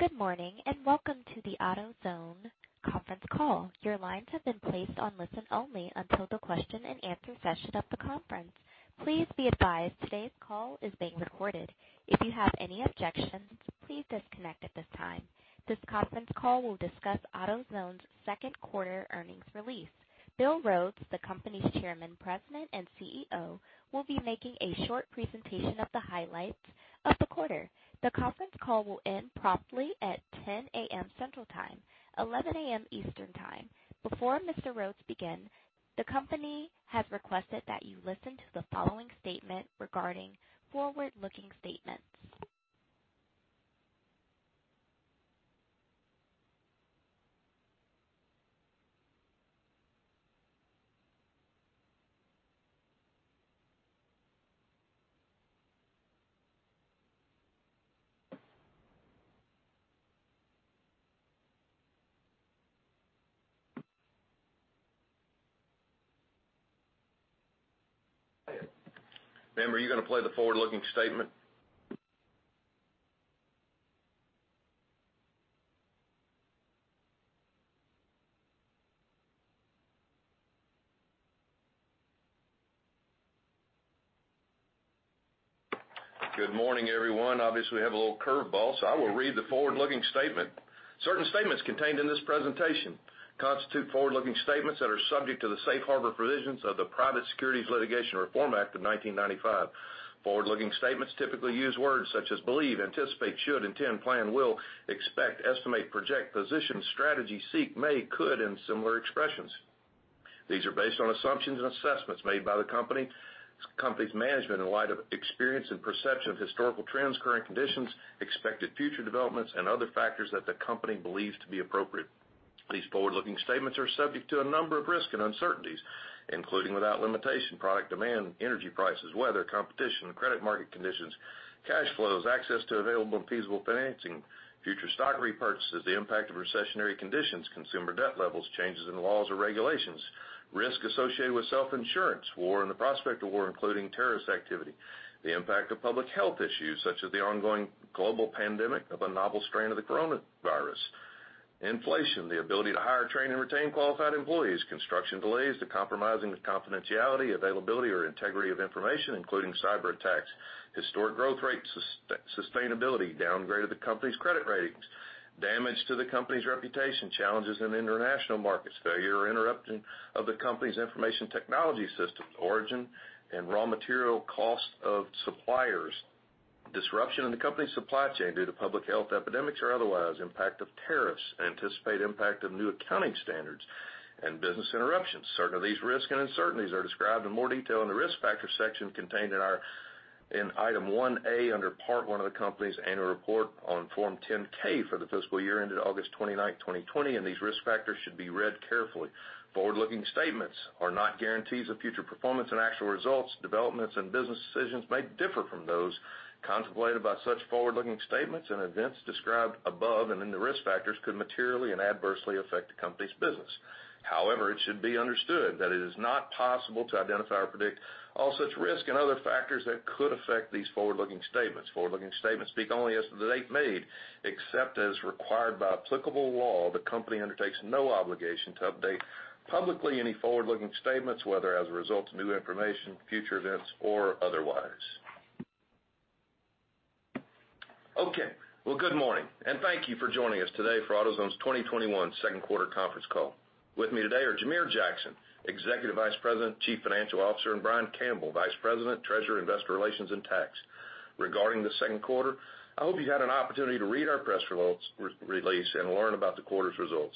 Good morning, welcome to the AutoZone conference call. This conference call will discuss AutoZone's second quarter earnings release. Bill Rhodes, the company's Chairman, President, and CEO, will be making a short presentation of the highlights of the quarter. The conference call will end promptly at 10:00 A.M. Central Time, 11:00 A.M. Eastern Time. Before Mr. Rhodes begins, the company has requested that you listen to the following statement regarding forward-looking statements. Ma'am, are you going to play the forward-looking statement? Good morning, everyone. Obviously, we have a little curveball, so I will read the forward-looking statement. Certain statements contained in this presentation constitute forward-looking statements that are subject to the safe harbor provisions of the Private Securities Litigation Reform Act of 1995. Forward-looking statements typically use words such as believe, anticipate, should, intend, plan, will, expect, estimate, project, position, strategy, seek, may, could, and similar expressions. These are based on assumptions and assessments made by the company's management in light of experience and perception of historical trends, current conditions, expected future developments, and other factors that the company believes to be appropriate. These forward-looking statements are subject to a number of risks and uncertainties, including, without limitation, product demand, energy prices, weather, competition, credit market conditions, cash flows, access to available and feasible financing, future stock repurchases, the impact of recessionary conditions, consumer debt levels, changes in laws or regulations, risk associated with self-insurance, war and the prospect of war, including terrorist activity, the impact of public health issues such as the ongoing global pandemic of a novel strain of the coronavirus, inflation, the ability to hire, train, and retain qualified employees, construction delays, the compromising of confidentiality, availability, or integrity of information, including cyberattacks, historic growth rates sustainability, downgrade of the company's credit ratings, damage to the company's reputation, challenges in international markets, failure or interruption of the company's information technology systems, origin and raw material cost of suppliers, disruption in the company's supply chain due to public health epidemics or otherwise, impact of tariffs, anticipated impact of new accounting standards, and business interruptions. Certain of these risks and uncertainties are described in more detail in the Risk Factors section contained in Item 1A under Part I of the company's annual report on Form 10-K for the fiscal year ended August 29th, 2020, and these risk factors should be read carefully. Forward-looking statements are not guarantees of future performance and actual results, developments, and business decisions may differ from those contemplated by such forward-looking statements and events described above and in the Risk Factors could materially and adversely affect the company's business. However, it should be understood that it is not possible to identify or predict all such risks and other factors that could affect these forward-looking statements. Forward-looking statements speak only as of the date made. Except as required by applicable law, the company undertakes no obligation to update publicly any forward-looking statements, whether as a result of new information, future events, or otherwise. Okay. Well, good morning, thank you for joining us today for AutoZone's 2021 second quarter conference call. With me today are Jamere Jackson, Executive Vice President, Chief Financial Officer, and Brian Campbell, Vice President, Treasurer, Investor Relations, and Tax. Regarding the second quarter, I hope you've had an opportunity to read our press release and learn about the quarter's results.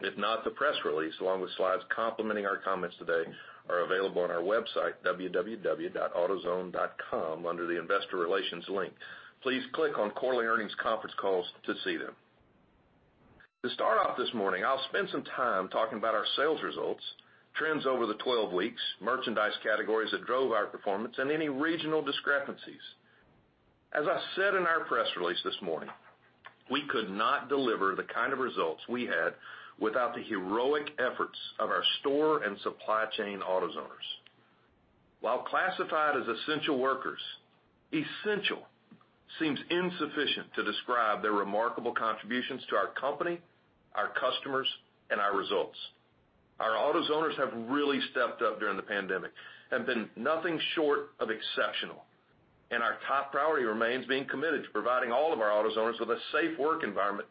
If not, the press release, along with slides complementing our comments today, are available on our website, www.autozone.com, under the Investor Relations link. Please click on Quarterly Earnings Conference Calls to see them. To start off this morning, I'll spend some time talking about our sales results, trends over the 12 weeks, merchandise categories that drove our performance, and any regional discrepancies. As I said in our press release this morning, we could not deliver the kind of results we had without the heroic efforts of our store and supply chain AutoZoners. While classified as essential workers, essential seems insufficient to describe their remarkable contributions to our company, our customers, and our results. Our AutoZoners have really stepped up during the pandemic, have been nothing short of exceptional, and our top priority remains being committed to providing all of our AutoZoners with a safe work environment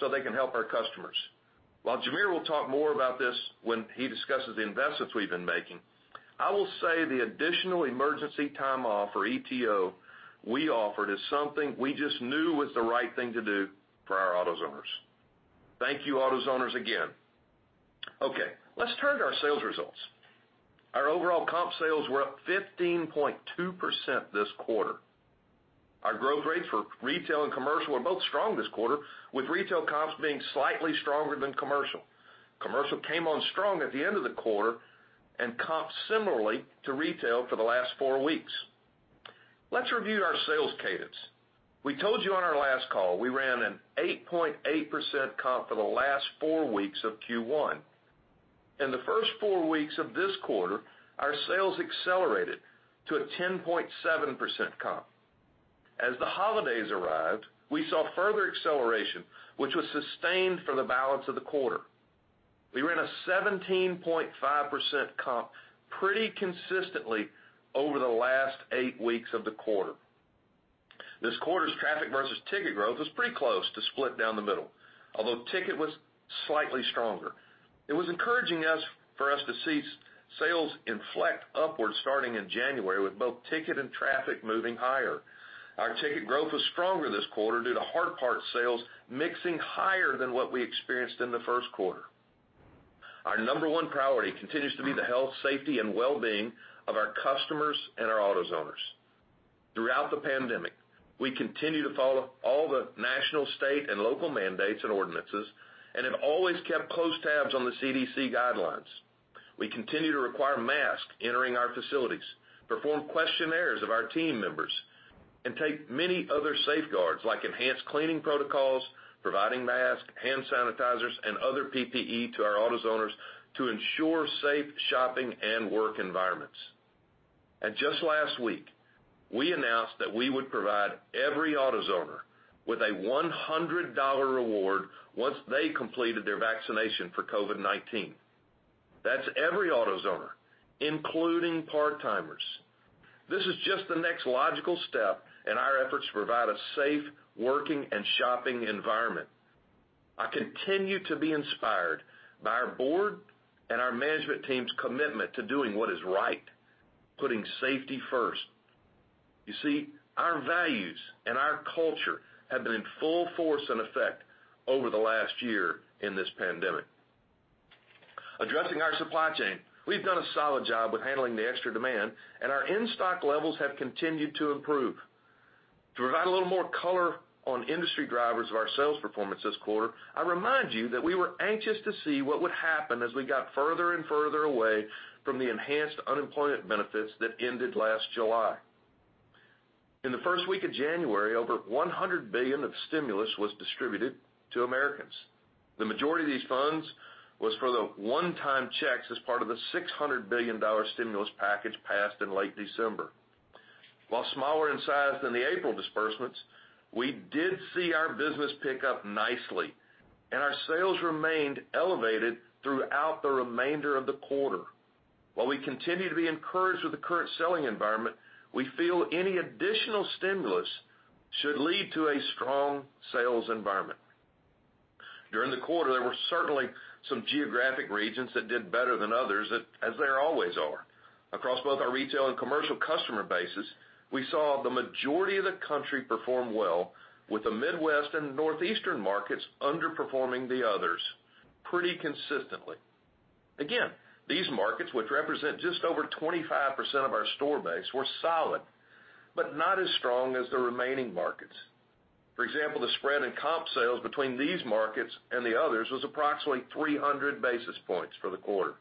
so they can help our customers. While Jamere will talk more about this when he discusses the investments we've been making, I will say the additional emergency time off, or ETO, we offered is something we just knew was the right thing to do for our AutoZoners. Thank you, AutoZoners, again. Okay. Let's turn to our sales results. Our overall comp sales were up 15.2% this quarter. Our growth rates for retail and commercial were both strong this quarter, with retail comps being slightly stronger than commercial. Commercial came on strong at the end of the quarter and comped similarly to retail for the last four weeks. Let's review our sales cadence. We told you on our last call we ran an 8.8% comp for the last four weeks of Q1. In the first four weeks of this quarter, our sales accelerated to a 10.7% comp. As the holidays arrived, we saw further acceleration, which was sustained for the balance of the quarter. We ran a 17.5% comp pretty consistently over the last eight weeks of the quarter. This quarter's traffic versus ticket growth was pretty close to split down the middle, although ticket was slightly stronger. It was encouraging for us to see sales inflect upwards starting in January, with both ticket and traffic moving higher. Our ticket growth was stronger this quarter due to hard part sales mixing higher than what we experienced in the first quarter. Our number one priority continues to be the health, safety, and well-being of our customers and our AutoZoners. Throughout the pandemic, we continue to follow all the national, state, and local mandates and ordinances and have always kept close tabs on the CDC guidelines. We continue to require masks entering our facilities, perform questionnaires of our team members, and take many other safeguards like enhanced cleaning protocols, providing masks, hand sanitizers, and other PPE to our AutoZoners to ensure safe shopping and work environments. Just last week, we announced that we would provide every AutoZoner with a $100 reward once they completed their vaccination for COVID-19. That's every AutoZoner, including part-timers. This is just the next logical step in our efforts to provide a safe working and shopping environment. I continue to be inspired by our board and our management team's commitment to doing what is right, putting safety first. You see, our values and our culture have been in full force and effect over the last year in this pandemic. Addressing our supply chain, we've done a solid job with handling the extra demand, and our in-stock levels have continued to improve. To provide a little more color on industry drivers of our sales performance this quarter, I remind you that we were anxious to see what would happen as we got further and further away from the enhanced unemployment benefits that ended last July. In the first week of January, over $100 billion of stimulus was distributed to Americans. The majority of these funds was for the one-time checks as part of the $600 billion stimulus package passed in late December. While smaller in size than the April disbursements, we did see our business pick up nicely, and our sales remained elevated throughout the remainder of the quarter. While we continue to be encouraged with the current selling environment, we feel any additional stimulus should lead to a strong sales environment. During the quarter, there were certainly some geographic regions that did better than others, as there always are. Across both our retail and commercial customer bases, we saw the majority of the country perform well, with the Midwest and Northeastern markets underperforming the others pretty consistently. Again, these markets, which represent just over 25% of our store base, were solid, but not as strong as the remaining markets. For example, the spread in comp sales between these markets and the others was approximately 300 basis points for the quarter.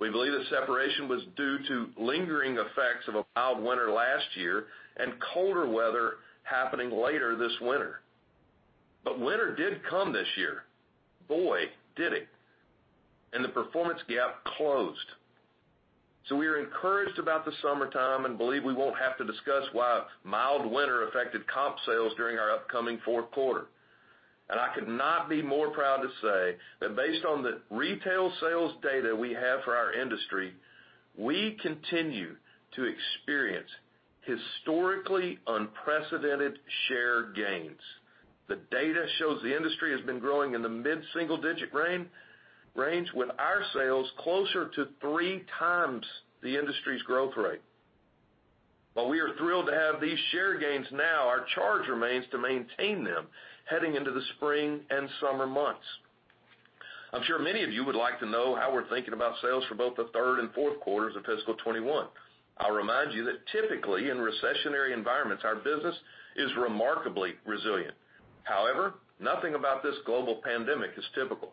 We believe the separation was due to lingering effects of a mild winter last year and colder weather happening later this winter. Winter did come this year, boy, did it, and the performance gap closed. We are encouraged about the summertime and believe we won't have to discuss why a mild winter affected comp sales during our upcoming fourth quarter. I could not be more proud to say that based on the retail sales data we have for our industry, we continue to experience historically unprecedented share gains. The data shows the industry has been growing in the mid-single-digit range with our sales closer to three times the industry's growth rate. While we are thrilled to have these share gains now, our charge remains to maintain them heading into the spring and summer months. I'm sure many of you would like to know how we're thinking about sales for both the third and fourth quarters of fiscal 2021. I'll remind you that typically in recessionary environments, our business is remarkably resilient. However, nothing about this global pandemic is typical.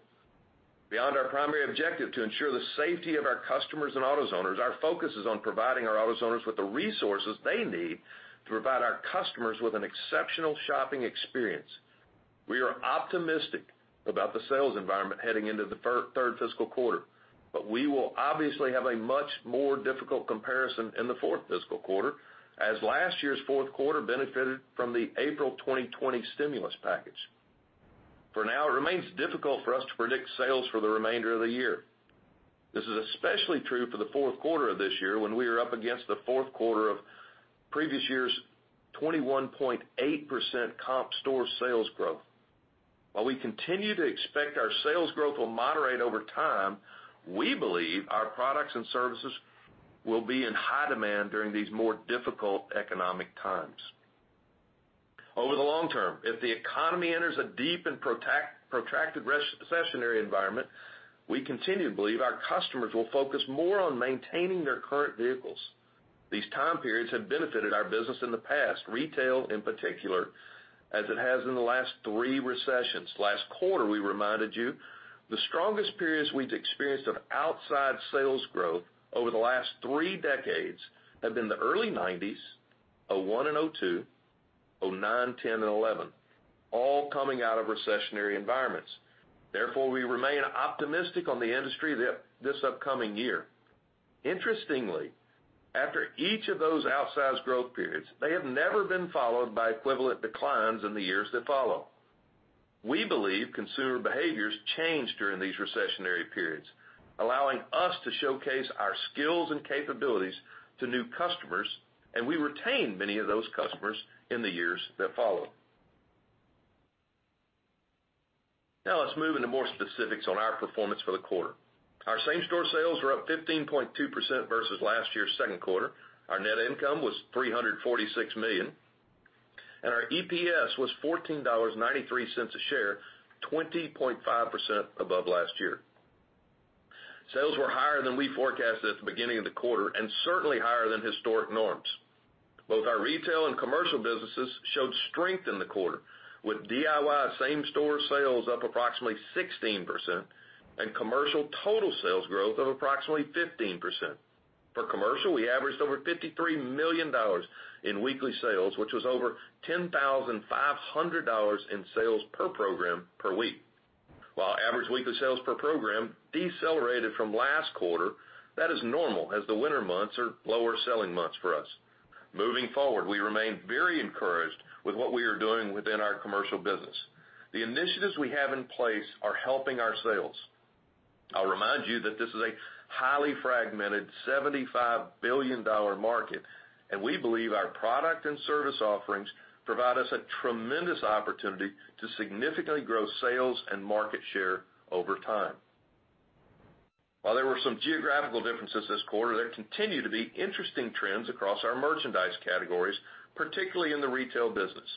Beyond our primary objective to ensure the safety of our customers and AutoZoners, our focus is on providing our AutoZoners with the resources they need to provide our customers with an exceptional shopping experience. We are optimistic about the sales environment heading into the third fiscal quarter, but we will obviously have a much more difficult comparison in the fourth fiscal quarter as last year's fourth quarter benefited from the April 2020 stimulus package. For now, it remains difficult for us to predict sales for the remainder of the year. This is especially true for the fourth quarter of this year when we are up against the fourth quarter of previous year's 21.8% comp store sales growth. While we continue to expect our sales growth will moderate over time, we believe our products and services will be in high demand during these more difficult economic times. Over the long term, if the economy enters a deep and protracted recessionary environment, we continue to believe our customers will focus more on maintaining their current vehicles. These time periods have benefited our business in the past, retail in particular, as it has in the last three recessions. Last quarter, we reminded you, the strongest periods we've experienced of outsized sales growth over the last three decades have been the early '90s, '01 and '02, '09, '10, and '11, all coming out of recessionary environments. We remain optimistic on the industry this upcoming year. Interestingly, after each of those outsized growth periods, they have never been followed by equivalent declines in the years that follow. We believe consumer behaviors change during these recessionary periods, allowing us to showcase our skills and capabilities to new customers, and we retain many of those customers in the years that follow. Now let's move into more specifics on our performance for the quarter. Our same-store sales were up 15.2% versus last year's second quarter. Our net income was $346 million, and our EPS was $14.93 a share, 20.5% above last year. Sales were higher than we forecasted at the beginning of the quarter, and certainly higher than historic norms. Both our retail and commercial businesses showed strength in the quarter, with DIY same-store sales up approximately 16% and commercial total sales growth of approximately 15%. For commercial, we averaged over $53 million in weekly sales, which was over $10,500 in sales per program per week. While average weekly sales per program decelerated from last quarter, that is normal, as the winter months are lower selling months for us. Moving forward, we remain very encouraged with what we are doing within our commercial business. The initiatives we have in place are helping our sales. I'll remind you that this is a highly fragmented, $75 billion market, and we believe our product and service offerings provide us a tremendous opportunity to significantly grow sales and market share over time. While there were some geographical differences this quarter, there continue to be interesting trends across our merchandise categories, particularly in the retail business.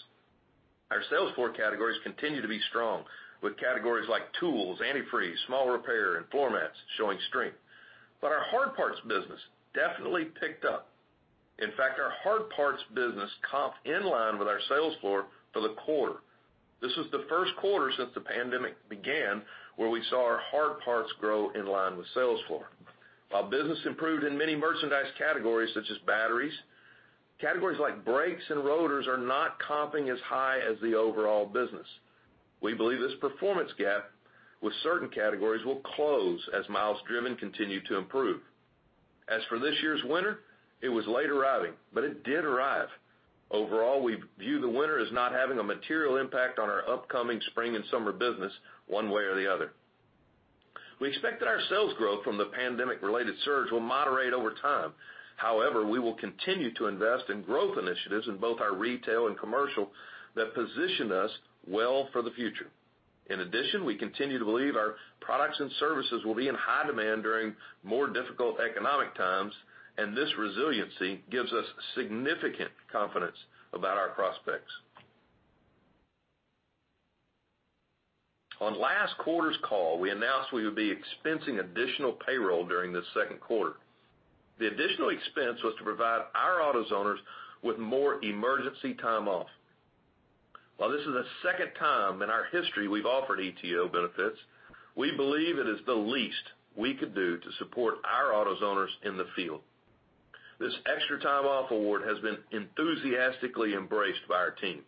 Our sales floor categories continue to be strong, with categories like tools, antifreeze, small repair, and floor mats showing strength. Our hard parts business definitely picked up. In fact, our hard parts business comped in line with our sales floor for the quarter. This is the first quarter since the pandemic began where we saw our hard parts grow in line with sales floor. While business improved in many merchandise categories such as batteries, categories like brakes and rotors are not comping as high as the overall business. We believe this performance gap with certain categories will close as miles driven continue to improve. As for this year's winter, it was late arriving, but it did arrive. Overall, we view the winter as not having a material impact on our upcoming spring and summer business one way or the other. We expect that our sales growth from the pandemic-related surge will moderate over time. However, we will continue to invest in growth initiatives in both our retail and commercial that position us well for the future. In addition, we continue to believe our products and services will be in high demand during more difficult economic times, and this resiliency gives us significant confidence about our prospects. On last quarter's call, we announced we would be expensing additional payroll during this second quarter. The additional expense was to provide our AutoZoners with more emergency time off. While this is the second time in our history we've offered ETO benefits, we believe it is the least we could do to support our AutoZoners in the field. This extra time off award has been enthusiastically embraced by our team.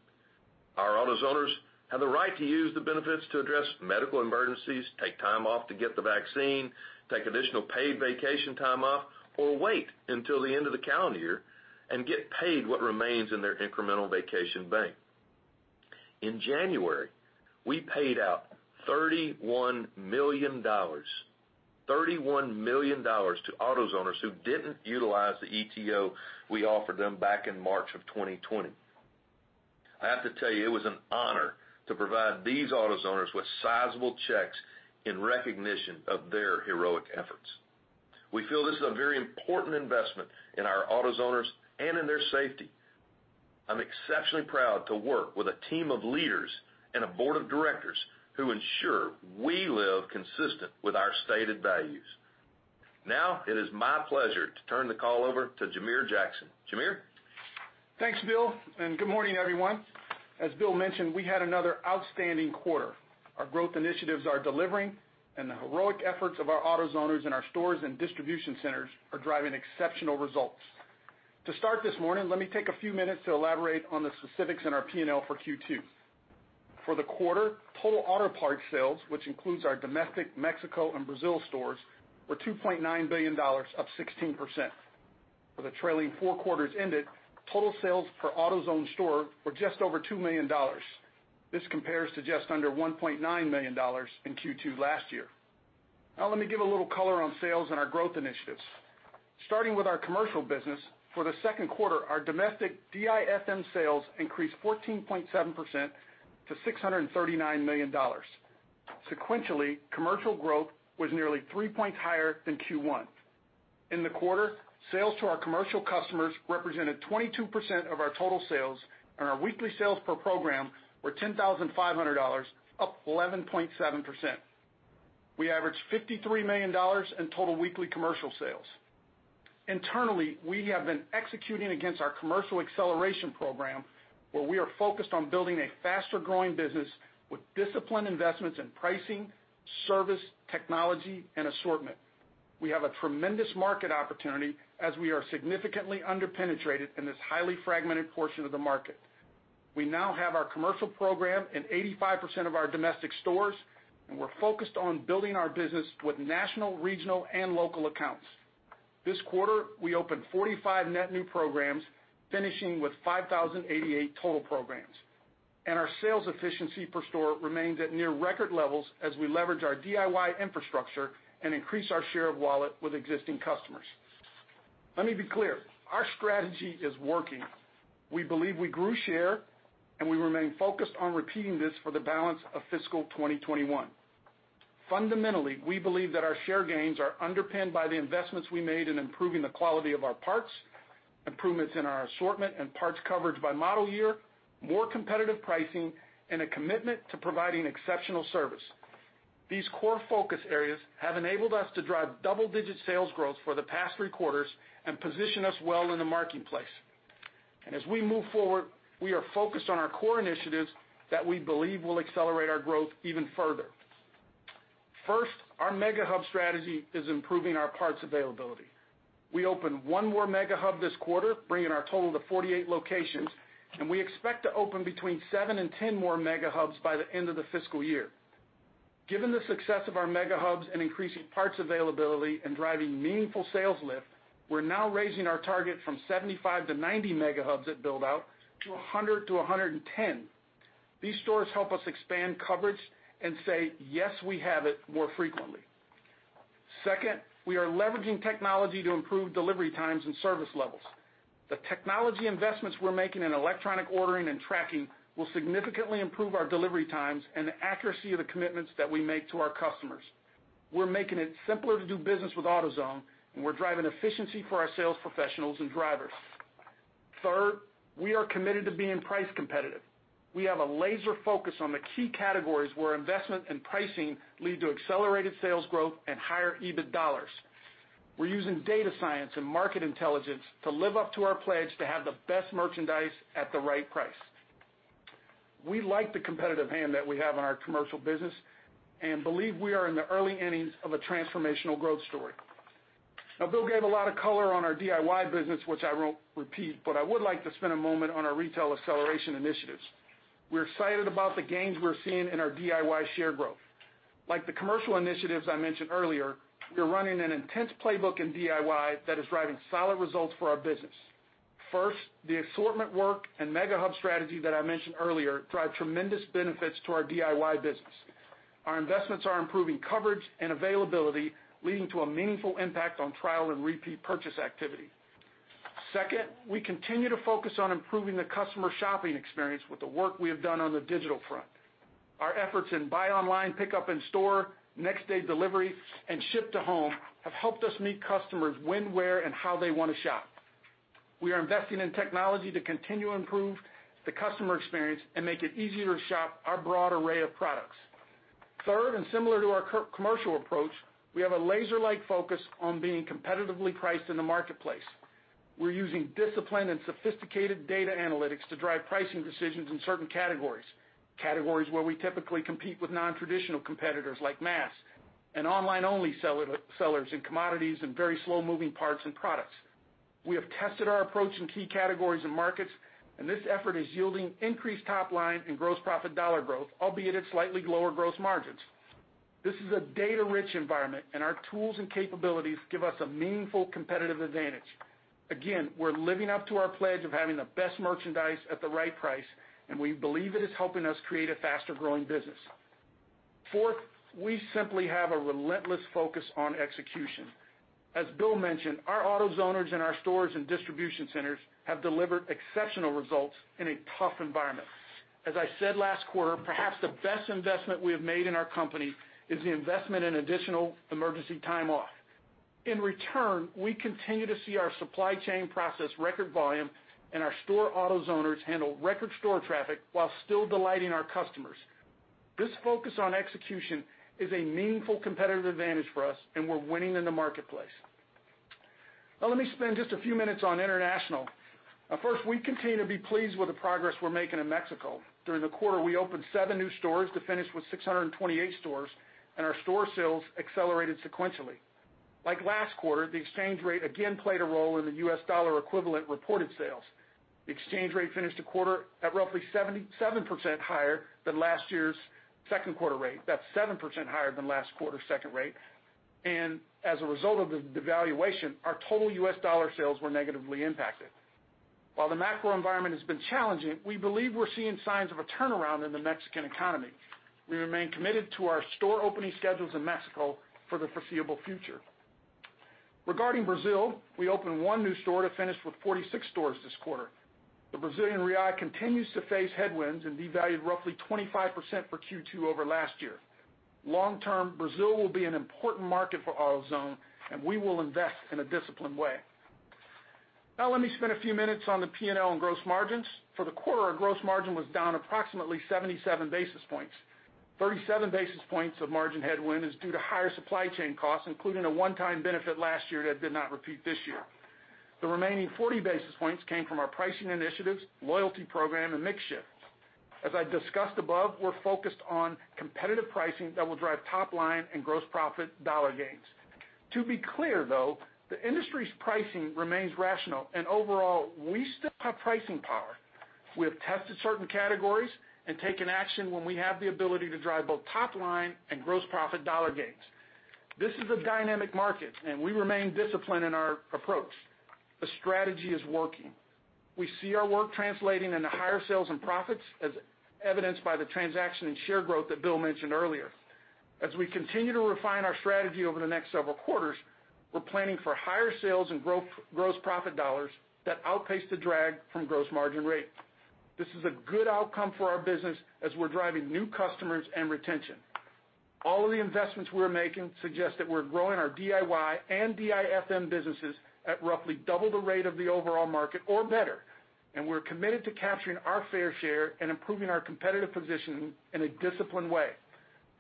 Our AutoZoners have the right to use the benefits to address medical emergencies, take time off to get the vaccine, take additional paid vacation time off, or wait until the end of the calendar year and get paid what remains in their incremental vacation bank. In January, we paid out $31 million. $31 million to AutoZoners who didn't utilize the ETO we offered them back in March of 2020. I have to tell you, it was an honor to provide these AutoZoners with sizable checks in recognition of their heroic efforts. We feel this is a very important investment in our AutoZoners and in their safety. I'm exceptionally proud to work with a team of leaders and a board of directors who ensure we live consistent with our stated values. Now it is my pleasure to turn the call over to Jamere Jackson. Jamere? Thanks, Bill, and good morning, everyone. As Bill mentioned, we had another outstanding quarter. Our growth initiatives are delivering, and the heroic efforts of our AutoZoners in our stores and distribution centers are driving exceptional results. To start this morning, let me take a few minutes to elaborate on the specifics in our P&L for Q2. For the quarter, total auto parts sales, which includes our domestic, Mexico, and Brazil stores, were $2.9 billion, up 16%. For the trailing four quarters ended, total sales per AutoZone store were just over $2 million. This compares to just under $1.9 million in Q2 last year. Now let me give a little color on sales and our growth initiatives. Starting with our commercial business, for the second quarter, our domestic DIFM sales increased 14.7% to $639 million. Sequentially, commercial growth was nearly three points higher than Q1. In the quarter, sales to our commercial customers represented 22% of our total sales. Our weekly sales per program were $10,500, up 11.7%. We averaged $53 million in total weekly commercial sales. Internally, we have been executing against our Commercial Acceleration Program, where we are focused on building a faster-growing business with disciplined investments in pricing, service, technology, and assortment. We have a tremendous market opportunity as we are significantly under-penetrated in this highly fragmented portion of the market. We now have our commercial program in 85% of our domestic stores. We're focused on building our business with national, regional, and local accounts. This quarter, we opened 45 net new programs, finishing with 5,088 total programs. Our sales efficiency per store remains at near record levels as we leverage our DIY infrastructure and increase our share of wallet with existing customers. Let me be clear: our strategy is working. We believe we grew share, and we remain focused on repeating this for the balance of fiscal 2021. Fundamentally, we believe that our share gains are underpinned by the investments we made in improving the quality of our parts, improvements in our assortment and parts coverage by model year, more competitive pricing, and a commitment to providing exceptional service. These core focus areas have enabled us to drive double-digit sales growth for the past three quarters and position us well in the marketplace. And as we move forward, we are focused on our core initiatives that we believe will accelerate our growth even further. First, our mega hub strategy is improving our parts availability. We opened one more mega hub this quarter, bringing our total to 48 locations, and we expect to open between 7 and 10 more mega hubs by the end of the fiscal year. Given the success of our mega hubs in increasing parts availability and driving meaningful sales lift, we're now raising our target from 75 to 90 mega hubs at build-out to 100 to 110. These stores help us expand coverage and say, "Yes, we have it," more frequently. Second, we are leveraging technology to improve delivery times and service levels. The technology investments we're making in electronic ordering and tracking will significantly improve our delivery times and the accuracy of the commitments that we make to our customers. We're making it simpler to do business with AutoZone, and we're driving efficiency for our sales professionals and drivers. Third, we are committed to being price competitive. We have a laser focus on the key categories where investment and pricing lead to accelerated sales growth and higher EBIT dollars. We're using data science and market intelligence to live up to our pledge to have the best merchandise at the right price. We like the competitive hand that we have on our commercial business and believe we are in the early innings of a transformational growth story. Now, Bill gave a lot of color on our DIY business, which I won't repeat, but I would like to spend a moment on our retail acceleration initiatives. We're excited about the gains we're seeing in our DIY share growth. Like the commercial initiatives I mentioned earlier, we're running an intense playbook in DIY that is driving solid results for our business. First, the assortment work and mega hub strategy that I mentioned earlier drive tremendous benefits to our DIY business. Our investments are improving coverage and availability, leading to a meaningful impact on trial and repeat purchase activity. Second, we continue to focus on improving the customer shopping experience with the work we have done on the digital front. Our efforts in buy online, pickup in store, next day delivery, and ship to home have helped us meet customers when, where, and how they want to shop. We are investing in technology to continue to improve the customer experience and make it easier to shop our broad array of products. Third, and similar to our commercial approach, we have a laser-like focus on being competitively priced in the marketplace. We're using disciplined and sophisticated data analytics to drive pricing decisions in certain categories where we typically compete with non-traditional competitors like mass and online-only sellers in commodities and very slow-moving parts and products. We have tested our approach in key categories and markets, and this effort is yielding increased top line and gross profit dollar growth, albeit at slightly lower gross margins. This is a data-rich environment, and our tools and capabilities give us a meaningful competitive advantage. Again, we're living up to our pledge of having the best merchandise at the right price, and we believe it is helping us create a faster-growing business. Fourth, we simply have a relentless focus on execution. As Bill mentioned, our AutoZoners in our stores and distribution centers have delivered exceptional results in a tough environment. As I said last quarter, perhaps the best investment we have made in our company is the investment in additional emergency time off. In return, we continue to see our supply chain process record volume and our store AutoZoners handle record store traffic while still delighting our customers. This focus on execution is a meaningful competitive advantage for us, and we're winning in the marketplace. Now let me spend just a few minutes on international. First, we continue to be pleased with the progress we're making in Mexico. During the quarter, we opened seven new stores to finish with 628 stores, and our store sales accelerated sequentially. Like last quarter, the exchange rate again played a role in the U.S. dollar equivalent reported sales. The exchange rate finished the quarter at roughly 77% higher than last year's second quarter rate. That's 7% higher than last quarter's second rate. As a result of the devaluation, our total U.S. dollar sales were negatively impacted. While the macro environment has been challenging, we believe we're seeing signs of a turnaround in the Mexican economy. We remain committed to our store opening schedules in Mexico for the foreseeable future. Regarding Brazil, we opened one new store to finish with 46 stores this quarter. The Brazilian real continues to face headwinds and devalued roughly 25% for Q2 over last year. Long term, Brazil will be an important market for AutoZone, and we will invest in a disciplined way. Now let me spend a few minutes on the P&L and gross margins. For the quarter, our gross margin was down approximately 77 basis points. 37 basis points of margin headwind is due to higher supply chain costs, including a one-time benefit last year that did not repeat this year. The remaining 40 basis points came from our pricing initiatives, loyalty program, and mix shift. As I discussed above, we're focused on competitive pricing that will drive top-line and gross profit dollar gains. To be clear though, the industry's pricing remains rational and overall, we still have pricing power. We have tested certain categories and taken action when we have the ability to drive both top-line and gross profit dollar gains. This is a dynamic market, and we remain disciplined in our approach. The strategy is working. We see our work translating into higher sales and profits as evidenced by the transaction and share growth that Bill mentioned earlier. As we continue to refine our strategy over the next several quarters, we're planning for higher sales and gross profit dollars that outpace the drag from gross margin rate. This is a good outcome for our business as we're driving new customers and retention. All of the investments we're making suggest that we're growing our DIY and DIFM businesses at roughly double the rate of the overall market or better, and we're committed to capturing our fair share and improving our competitive position in a disciplined way.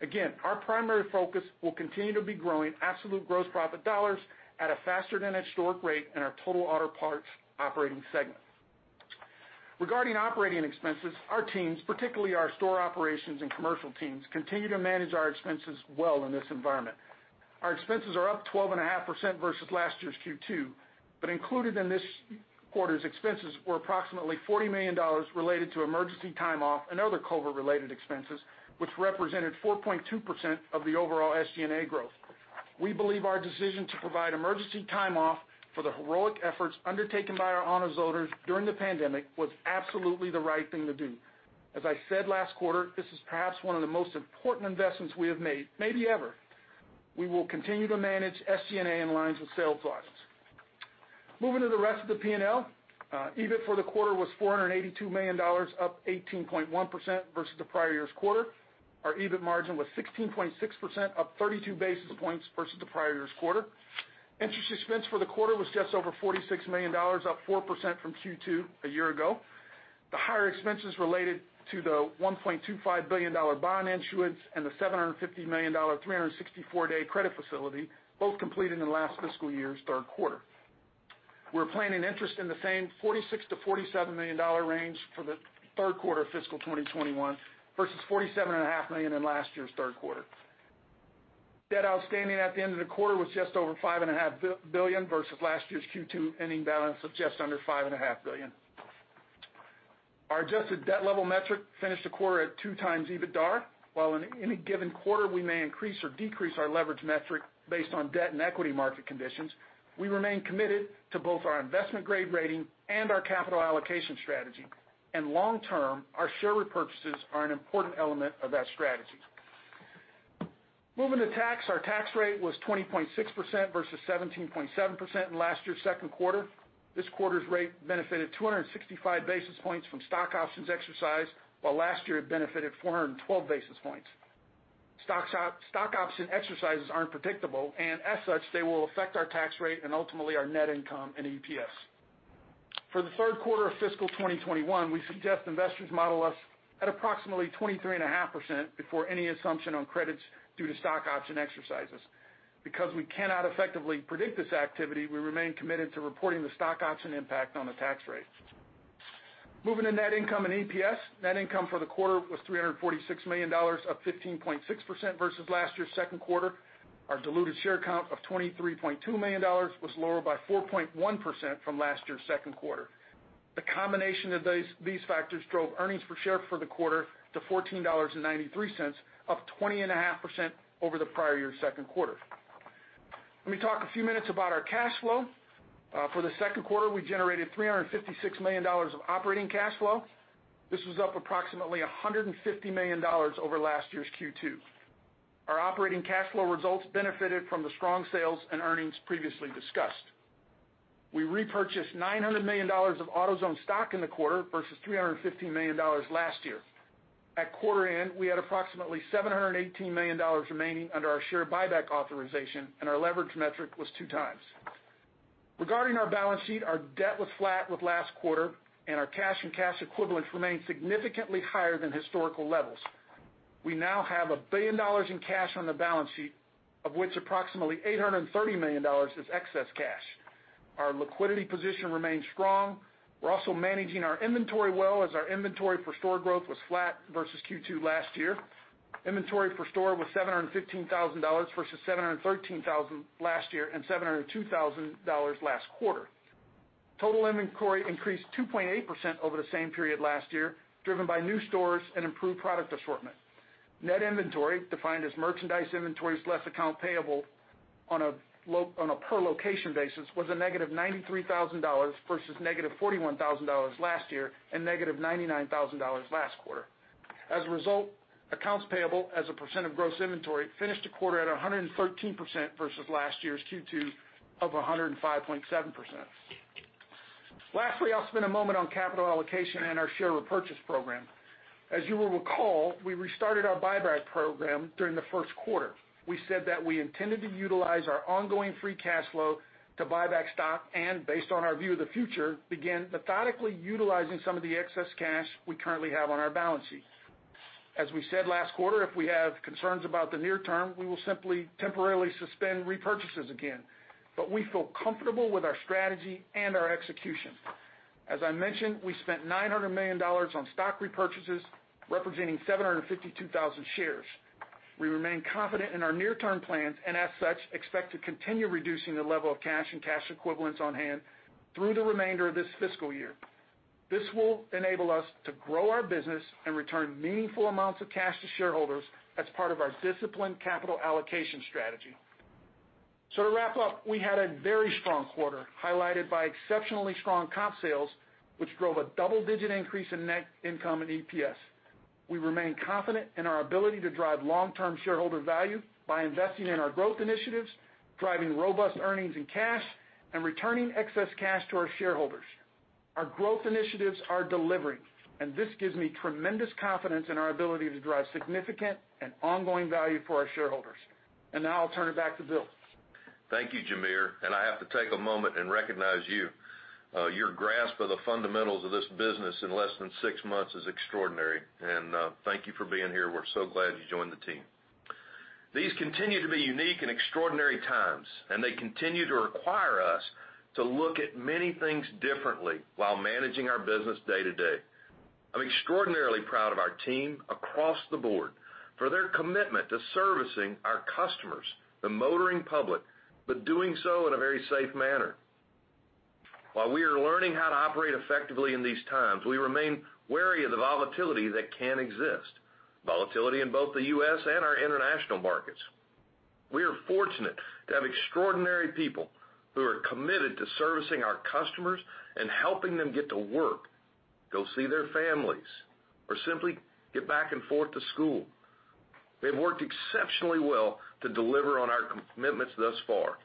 Again, our primary focus will continue to be growing absolute gross profit dollars at a faster than historic rate in our total Auto Parts operating segment. Regarding operating expenses, our teams, particularly our store operations and commercial teams, continue to manage our expenses well in this environment. Our expenses are up 12.5% versus last year's Q2, but included in this quarter's expenses were approximately $40 million related to emergency time off and other COVID-related expenses, which represented 4.2% of the overall SG&A growth. We believe our decision to provide emergency time off for the heroic efforts undertaken by our AutoZoners during the pandemic was absolutely the right thing to do. As I said last quarter, this is perhaps one of the most important investments we have made, maybe ever. We will continue to manage SG&A in line with sales losses. Moving to the rest of the P&L. EBIT for the quarter was $482 million, up 18.1% versus the prior year's quarter. Our EBIT margin was 16.6%, up 32 basis points versus the prior year's quarter. Interest expense for the quarter was just over $46 million, up 4% from Q2 a year ago. The higher expenses related to the $1.25 billion bond issuance and the $750 million 364-day credit facility, both completed in the last fiscal year's third quarter. We're planning interest in the same $46 million-$47 million range for the third quarter of fiscal 2021 versus $47.5 million in last year's third quarter. Debt outstanding at the end of the quarter was just over $5.5 billion versus last year's Q2 ending balance of just under $5.5 billion. Our adjusted debt level metric finished the quarter at 2x EBITDAR. While in any given quarter we may increase or decrease our leverage metric based on debt and equity market conditions, we remain committed to both our investment-grade rating and our capital allocation strategy. Long term, our share repurchases are an important element of that strategy. Moving to tax. Our tax rate was 20.6% versus 17.7% in last year's second quarter. This quarter's rate benefited 265 basis points from stock options exercised, while last year it benefited 412 basis points. Stock option exercises aren't predictable, as such, they will affect our tax rate and ultimately our net income and EPS. For the third quarter of fiscal 2021, we suggest investors model us at approximately 23.5% before any assumption on credits due to stock option exercises. Because we cannot effectively predict this activity, we remain committed to reporting the stock option impact on the tax rate. Moving to net income and EPS. Net income for the quarter was $346 million, up 15.6% versus last year's second quarter. Our diluted share count of $23.2 million was lower by 4.1% from last year's second quarter. The combination of these factors drove earnings per share for the quarter to $14.93, up 20.5% over the prior year's second quarter. Let me talk a few minutes about our cash flow. For the second quarter, we generated $356 million of operating cash flow. This was up approximately $150 million over last year's Q2. Our operating cash flow results benefited from the strong sales and earnings previously discussed. We repurchased $900 million of AutoZone stock in the quarter versus $315 million last year. At quarter end, we had approximately $718 million remaining under our share buyback authorization, and our leverage metric was two times. Regarding our balance sheet, our debt was flat with last quarter, and our cash and cash equivalents remain significantly higher than historical levels. We now have $1 billion in cash on the balance sheet, of which approximately $830 million is excess cash. Our liquidity position remains strong. We're also managing our inventory well as our inventory per store growth was flat versus Q2 last year. Inventory per store was $715,000 versus $713,000 last year and $702,000 last quarter. Total inventory increased 2.8% over the same period last year, driven by new stores and improved product assortment. Net inventory, defined as merchandise inventories less accounts payable on a per-location basis, was -$93,000 versus -$41,000 last year and -$99,000 last quarter. As a result, accounts payable as a percent of gross inventory finished the quarter at 113% versus last year's Q2 of 105.7%. Lastly, I'll spend a moment on capital allocation and our share repurchase program. As you will recall, we restarted our buyback program during the first quarter. We said that we intended to utilize our ongoing free cash flow to buy back stock and based on our view of the future, begin methodically utilizing some of the excess cash we currently have on our balance sheet. As we said last quarter, if we have concerns about the near term, we will simply temporarily suspend repurchases again. We feel comfortable with our strategy and our execution. As I mentioned, we spent $900 million on stock repurchases, representing 752,000 shares. We remain confident in our near-term plans, and as such, expect to continue reducing the level of cash and cash equivalents on hand through the remainder of this fiscal year. This will enable us to grow our business and return meaningful amounts of cash to shareholders as part of our disciplined capital allocation strategy. To wrap up, we had a very strong quarter, highlighted by exceptionally strong comp sales, which drove a double-digit increase in net income and EPS. We remain confident in our ability to drive long-term shareholder value by investing in our growth initiatives, driving robust earnings and cash, and returning excess cash to our shareholders. Our growth initiatives are delivering, this gives me tremendous confidence in our ability to drive significant and ongoing value for our shareholders. Now I'll turn it back to Bill. Thank you, Jamere. I have to take a moment and recognize you. Your grasp of the fundamentals of this business in less than six months is extraordinary. Thank you for being here. We're so glad you joined the team. These continue to be unique and extraordinary times, and they continue to require us to look at many things differently while managing our business day to day. I'm extraordinarily proud of our team across the board for their commitment to servicing our customers, the motoring public, but doing so in a very safe manner. While we are learning how to operate effectively in these times, we remain wary of the volatility that can exist, volatility in both the U.S. and our international markets. We are fortunate to have extraordinary people who are committed to servicing our customers and helping them get to work, go see their families, or simply get back and forth to school. They've worked exceptionally well to deliver on our commitments thus far,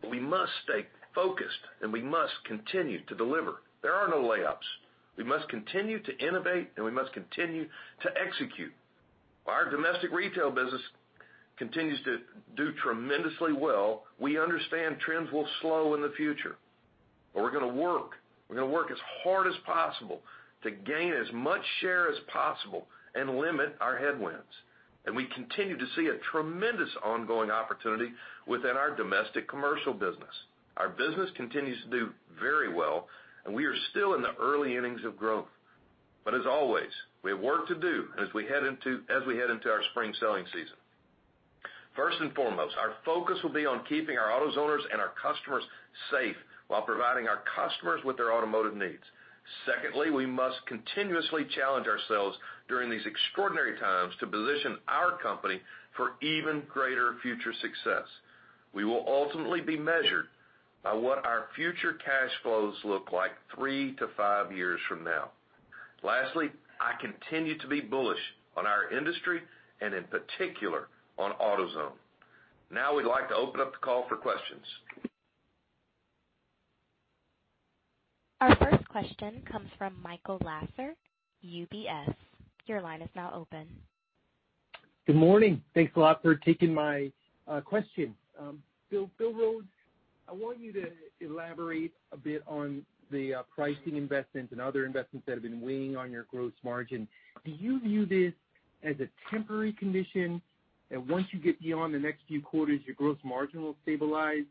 but we must stay focused, and we must continue to deliver. There are no layups. We must continue to innovate, and we must continue to execute. While our domestic retail business continues to do tremendously well, we understand trends will slow in the future. We're going to work as hard as possible to gain as much share as possible and limit our headwinds. We continue to see a tremendous ongoing opportunity within our domestic commercial business. Our business continues to do very well, and we are still in the early innings of growth. As always, we have work to do as we head into our spring selling season. First and foremost, our focus will be on keeping our AutoZoners and our customers safe while providing our customers with their automotive needs. Secondly, we must continuously challenge ourselves during these extraordinary times to position our company for even greater future success. We will ultimately be measured by what our future cash flows look like three to five years from now. Lastly, I continue to be bullish on our industry and in particular on AutoZone. We'd like to open up the call for questions. Our first question comes from Michael Lasser, UBS. Your line is now open. Good morning. Thanks a lot for taking my question. Bill Rhodes, I want you to elaborate a bit on the pricing investments and other investments that have been weighing on your gross margin. Do you view this as a temporary condition, that once you get beyond the next few quarters, your gross margin will stabilize?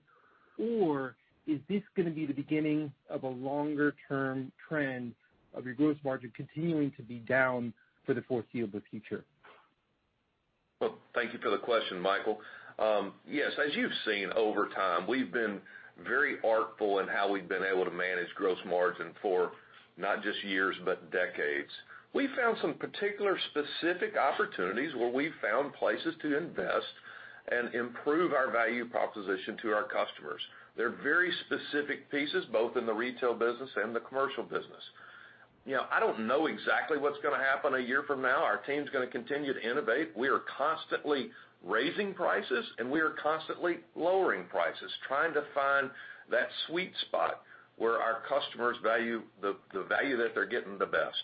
Is this going to be the beginning of a longer-term trend of your gross margin continuing to be down for the foreseeable future? Thank you for the question, Michael. Yes, as you've seen over time, we've been very artful in how we've been able to manage gross margin for not just years, but decades. We found some particular specific opportunities where we found places to invest and improve our value proposition to our customers. They're very specific pieces, both in the retail business and the commercial business. I don't know exactly what's gonna happen a year from now. Our team's gonna continue to innovate. We are constantly raising prices, and we are constantly lowering prices, trying to find that sweet spot where our customers value the value that they're getting the best.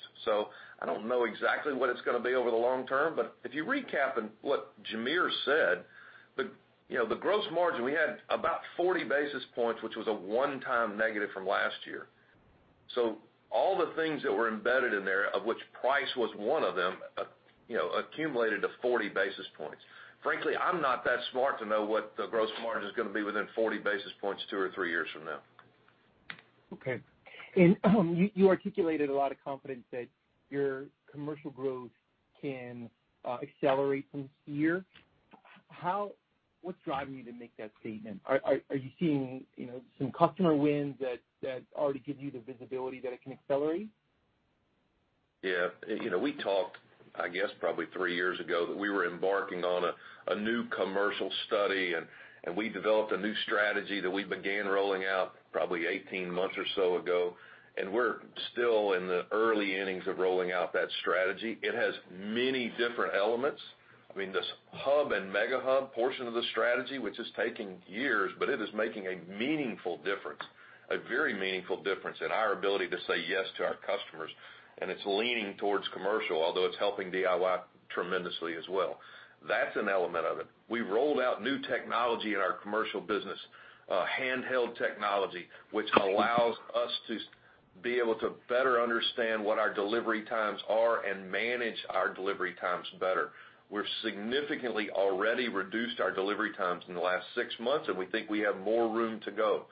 I don't know exactly what it's gonna be over the long term. If you recap what Jamere said, the gross margin, we had about 40 basis points, which was a one-time negative from last year. All the things that were embedded in there, of which price was one of them, accumulated to 40 basis points. Frankly, I'm not that smart to know what the gross margin is gonna be within 40 basis points two or three years from now. Okay. You articulated a lot of confidence that your commercial growth can accelerate from here. What's driving you to make that statement? Are you seeing some customer wins that already give you the visibility that it can accelerate? Yeah. We talked, I guess, probably three years ago, that we were embarking on a new commercial study. We developed a new strategy that we began rolling out probably 18 months or so ago. We're still in the early innings of rolling out that strategy. It has many different elements. This hub and mega hub portion of the strategy, which is taking years, but it is making a meaningful difference, a very meaningful difference in our ability to say yes to our customers, and it's leaning towards commercial, although it's helping DIY tremendously as well. That's an element of it. We rolled out new technology in our commercial business, handheld technology, which allows us to be able to better understand what our delivery times are and manage our delivery times better. We've significantly already reduced our delivery times in the last six months, and we think we have more room to go.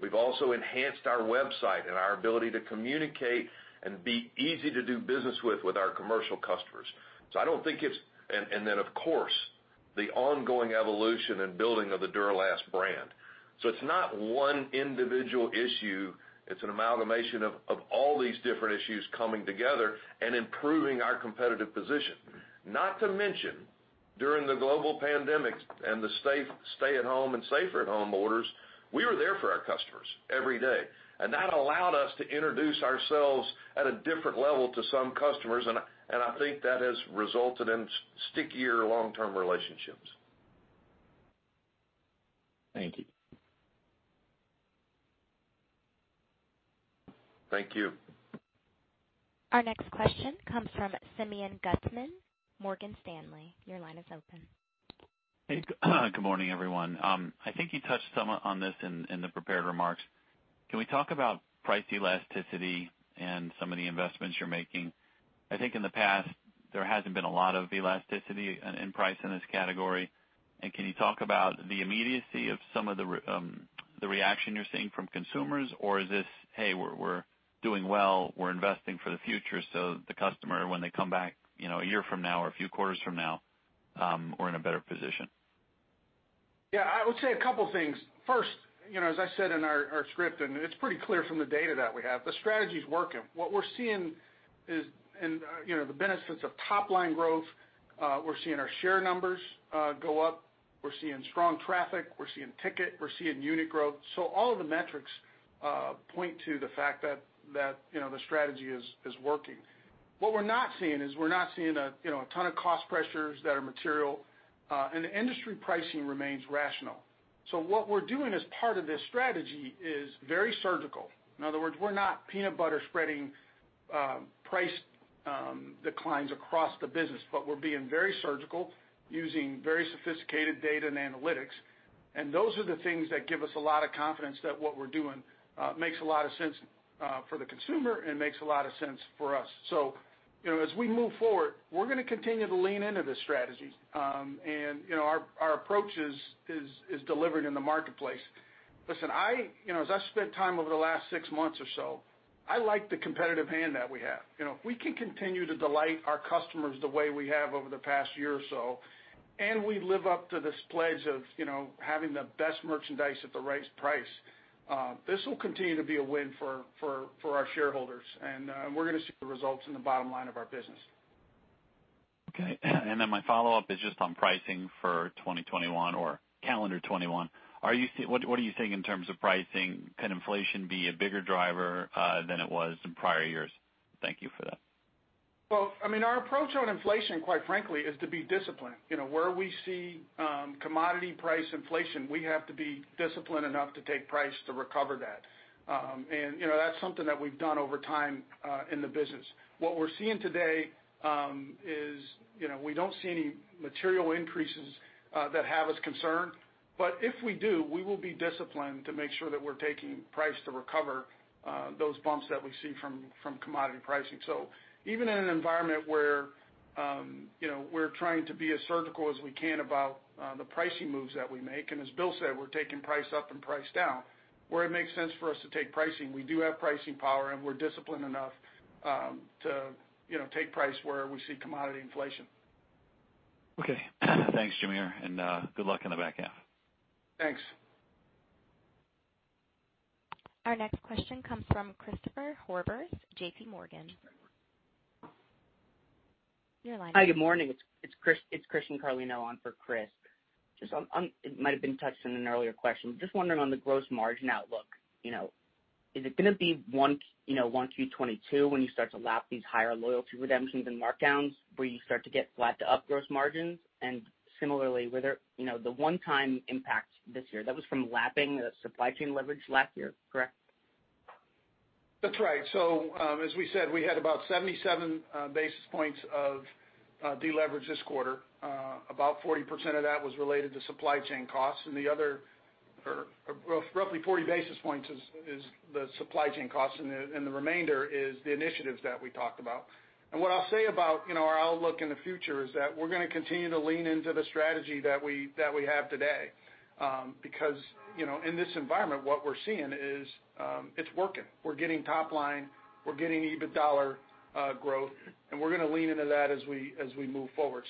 We've also enhanced our website and our ability to communicate and be easy to do business with our commercial customers. Then, of course, the ongoing evolution and building of the Duralast brand. It's not one individual issue, it's an amalgamation of all these different issues coming together and improving our competitive position. Not to mention, during the global pandemic and the stay-at-home and safer-at-home orders, we were there for our customers every day, and that allowed us to introduce ourselves at a different level to some customers, and I think that has resulted in stickier long-term relationships. Thank you. Thank you. Our next question comes from Simeon Gutman, Morgan Stanley. Your line is open. Hey, good morning, everyone. I think you touched some on this in the prepared remarks. Can we talk about price elasticity and some of the investments you're making? I think in the past, there hasn't been a lot of elasticity in price in this category. Can you talk about the immediacy of some of the reaction you're seeing from consumers? Or is this, hey, we're doing well, we're investing for the future, so the customer, when they come back a year from now or a few quarters from now, we're in a better position. Yeah, I would say a couple things. First, as I said in our script, and it's pretty clear from the data that we have, the strategy's working. What we're seeing is the benefits of top-line growth. We're seeing our share numbers go up. We're seeing strong traffic. We're seeing ticket. We're seeing unit growth. All of the metrics point to the fact that the strategy is working. What we're not seeing is we're not seeing a ton of cost pressures that are material, and the industry pricing remains rational. What we're doing as part of this strategy is very surgical. In other words, we're not peanut butter spreading price declines across the business, but we're being very surgical, using very sophisticated data and analytics. Those are the things that give us a lot of confidence that what we're doing makes a lot of sense for the consumer and makes a lot of sense for us. As we move forward, we're going to continue to lean into this strategy. Our approach is delivered in the marketplace. Listen, as I spent time over the last six months or so, I like the competitive hand that we have. If we can continue to delight our customers the way we have over the past year or so, and we live up to this pledge of having the best merchandise at the right price, this will continue to be a win for our shareholders. We're going to see the results in the bottom line of our business. Okay. My follow-up is just on pricing for 2021 or calendar 2021. What are you seeing in terms of pricing? Can inflation be a bigger driver than it was in prior years? Thank you for that. Our approach on inflation, quite frankly, is to be disciplined. Where we see commodity price inflation, we have to be disciplined enough to take price to recover that. That's something that we've done over time in the business. What we're seeing today is we don't see any material increases that have us concerned. If we do, we will be disciplined to make sure that we're taking price to recover those bumps that we see from commodity pricing. Even in an environment where we're trying to be as surgical as we can about the pricing moves that we make, and as Bill said, we're taking price up and price down. Where it makes sense for us to take pricing, we do have pricing power, and we're disciplined enough to take price where we see commodity inflation. Okay. Thanks, Jamere, and good luck on the back half. Thanks. Our next question comes from Christopher Horvers, JPMorgan. Your line is open. Hi. Good morning. It's Christian Carlino on for Chris. It might've been touched on in an earlier question. Just wondering on the gross margin outlook. Is it going to be 1Q22 when you start to lap these higher loyalty redemptions and markdowns where you start to get flat to up gross margins? Similarly, the one-time impact this year, that was from lapping the supply chain leverage last year, correct? That's right. As we said, we had about 77 basis points of deleverage this quarter. About 40% of that was related to supply chain costs, and the other, or roughly 40 basis points is the supply chain costs and the remainder is the initiatives that we talked about. What I'll say about our outlook in the future is that we're going to continue to lean into the strategy that we have today. In this environment, what we're seeing is it's working. We're getting top line, we're getting EBITDA growth, and we're going to lean into that as we move forward.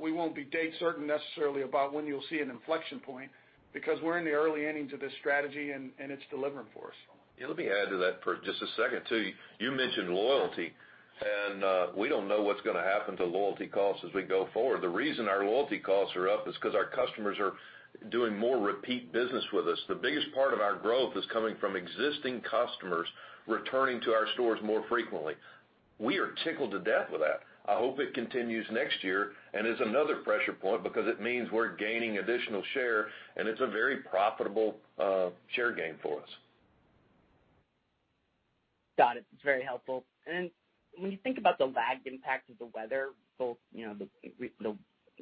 We won't be date certain necessarily about when you'll see an inflection point because we're in the early innings of this strategy and it's delivering for us. Let me add to that for just a second, too. You mentioned loyalty, and we don't know what's going to happen to loyalty costs as we go forward. The reason our loyalty costs are up is because our customers are doing more repeat business with us. The biggest part of our growth is coming from existing customers returning to our stores more frequently. We are tickled to death with that. I hope it continues next year and is another pressure point because it means we're gaining additional share and it's a very profitable share gain for us. Got it. It's very helpful. When you think about the lagged impact of the weather, both the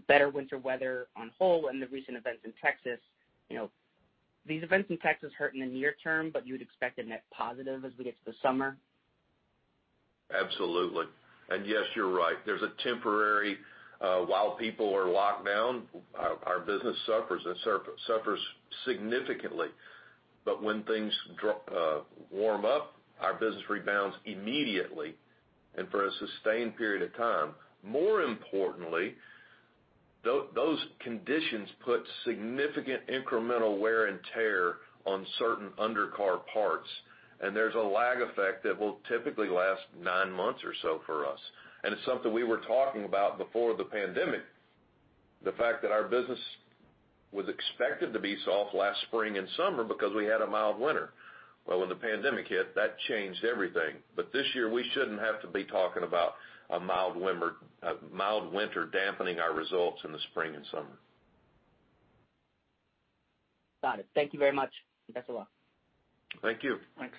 better winter weather on whole and the recent events in Texas, these events in Texas hurt in the near term, but you would expect a net positive as we get to the summer? Absolutely. Yes, you're right. There's a temporary, while people are locked down, our business suffers, and suffers significantly. When things warm up, our business rebounds immediately and for a sustained period of time. More importantly, those conditions put significant incremental wear and tear on certain undercar parts, and there's a lag effect that will typically last nine months or so for us. It's something we were talking about before the pandemic, the fact that our business was expected to be soft last spring and summer because we had a mild winter. When the pandemic hit, that changed everything. This year, we shouldn't have to be talking about a mild winter dampening our results in the spring and summer. Got it. Thank you very much. That's all. Thank you. Thanks.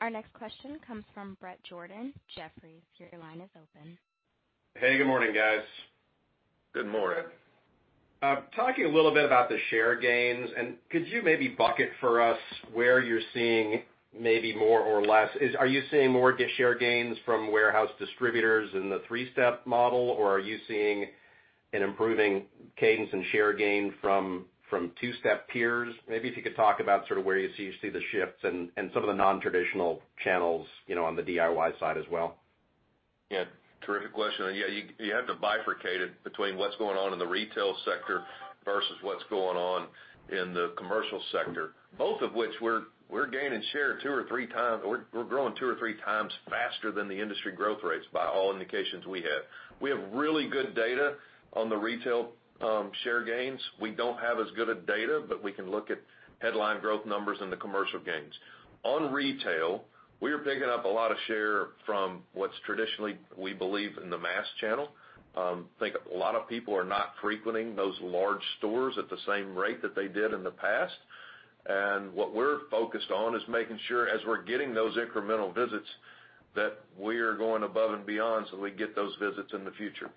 Our next question comes from Bret Jordan, Jefferies. Your line is open. Hey, good morning, guys. Good morning. Talking a little bit about the share gains, could you maybe bucket for us where you're seeing maybe more or less? Are you seeing more share gains from warehouse distributors in the three-step model, or are you seeing an improving cadence in share gain from two-step peers? Maybe if you could talk about sort of where you see the shifts and some of the non-traditional channels on the DIY side as well. Terrific question. You have to bifurcate it between what's going on in the retail sector versus what's going on in the commercial sector, both of which we're growing two or three times faster than the industry growth rates by all indications we have. We have really good data on the retail share gains. We don't have as good of data, but we can look at headline growth numbers in the commercial gains. On retail, we are picking up a lot of share from what's traditionally, we believe, in the mass channel. I think a lot of people are not frequenting those large stores at the same rate that they did in the past. What we're focused on is making sure as we're getting those incremental visits, that we're going above and beyond so we get those visits in the future.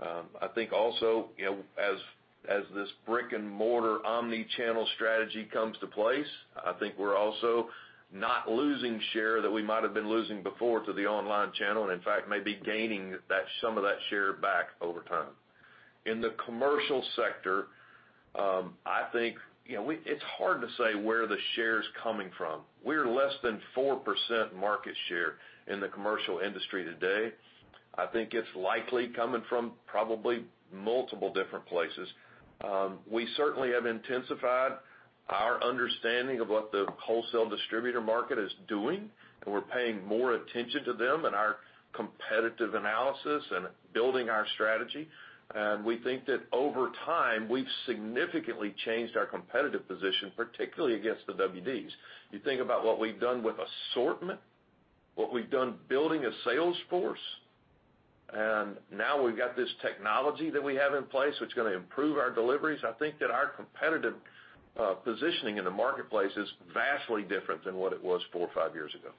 I think also, as this brick-and-mortar omni-channel strategy comes to place, I think we're also not losing share that we might have been losing before to the online channel, and in fact, may be gaining some of that share back over time. In the commercial sector, I think it's hard to say where the share's coming from. We're less than 4% market share in the commercial industry today. I think it's likely coming from probably multiple different places. We certainly have intensified our understanding of what the wholesale distributor market is doing, and we're paying more attention to them in our competitive analysis and building our strategy. We think that over time, we've significantly changed our competitive position, particularly against the WDs. You think about what we've done with assortment, what we've done building a sales force, now we've got this technology that we have in place, which is going to improve our deliveries. I think that our competitive positioning in the marketplace is vastly different than what it was four or five years ago.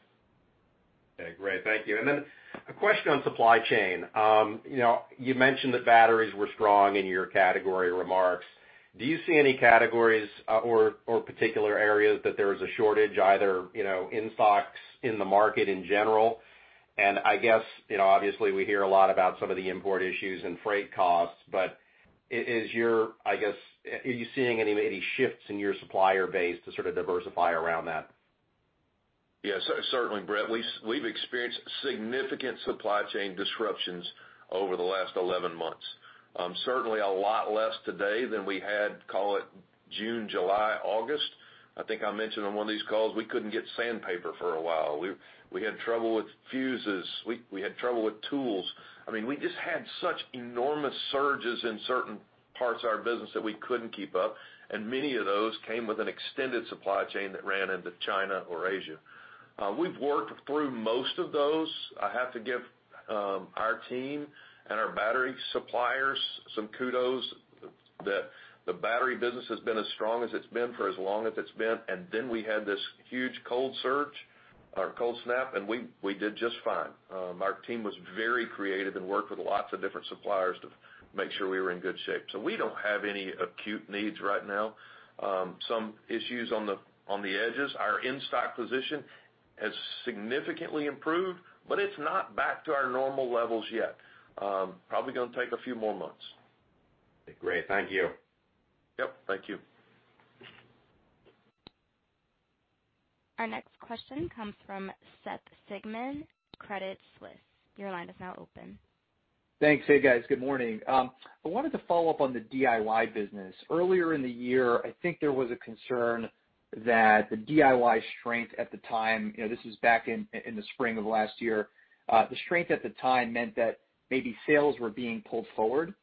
Okay, great. Thank you. A question on supply chain. You mentioned that batteries were strong in your category remarks. Do you see any categories or particular areas that there is a shortage either in stocks, in the market in general? I guess, obviously, we hear a lot about some of the import issues and freight costs, I guess, are you seeing any shifts in your supplier base to sort of diversify around that? Yeah, certainly, Bret. We've experienced significant supply chain disruptions over the last 11 months. Certainly a lot less today than we had, call it June, July, August. I think I mentioned on one of these calls, we couldn't get sandpaper for a while. We had trouble with fuses. We had trouble with tools. We just had such enormous surges in certain parts of our business that we couldn't keep up, and many of those came with an extended supply chain that ran into China or Asia. We've worked through most of those. I have to give our team and our battery suppliers some kudos that the battery business has been as strong as it's been for as long as it's been, and then we had this huge cold surge or cold snap, and we did just fine. Our team was very creative and worked with lots of different suppliers to make sure we were in good shape. We don't have any acute needs right now. Some issues on the edges. Our in-stock position has significantly improved, but it's not back to our normal levels yet. Probably going to take a few more months. Great. Thank you. Yep, thank you. Our next question comes from Seth Sigman, Credit Suisse. Your line is now open. Thanks. Hey, guys. Good morning. I wanted to follow up on the DIY business. Earlier in the year, I think there was a concern that the DIY strength at the time, this is back in the spring of last year, the strength at the time meant that maybe sales were being pulled forward.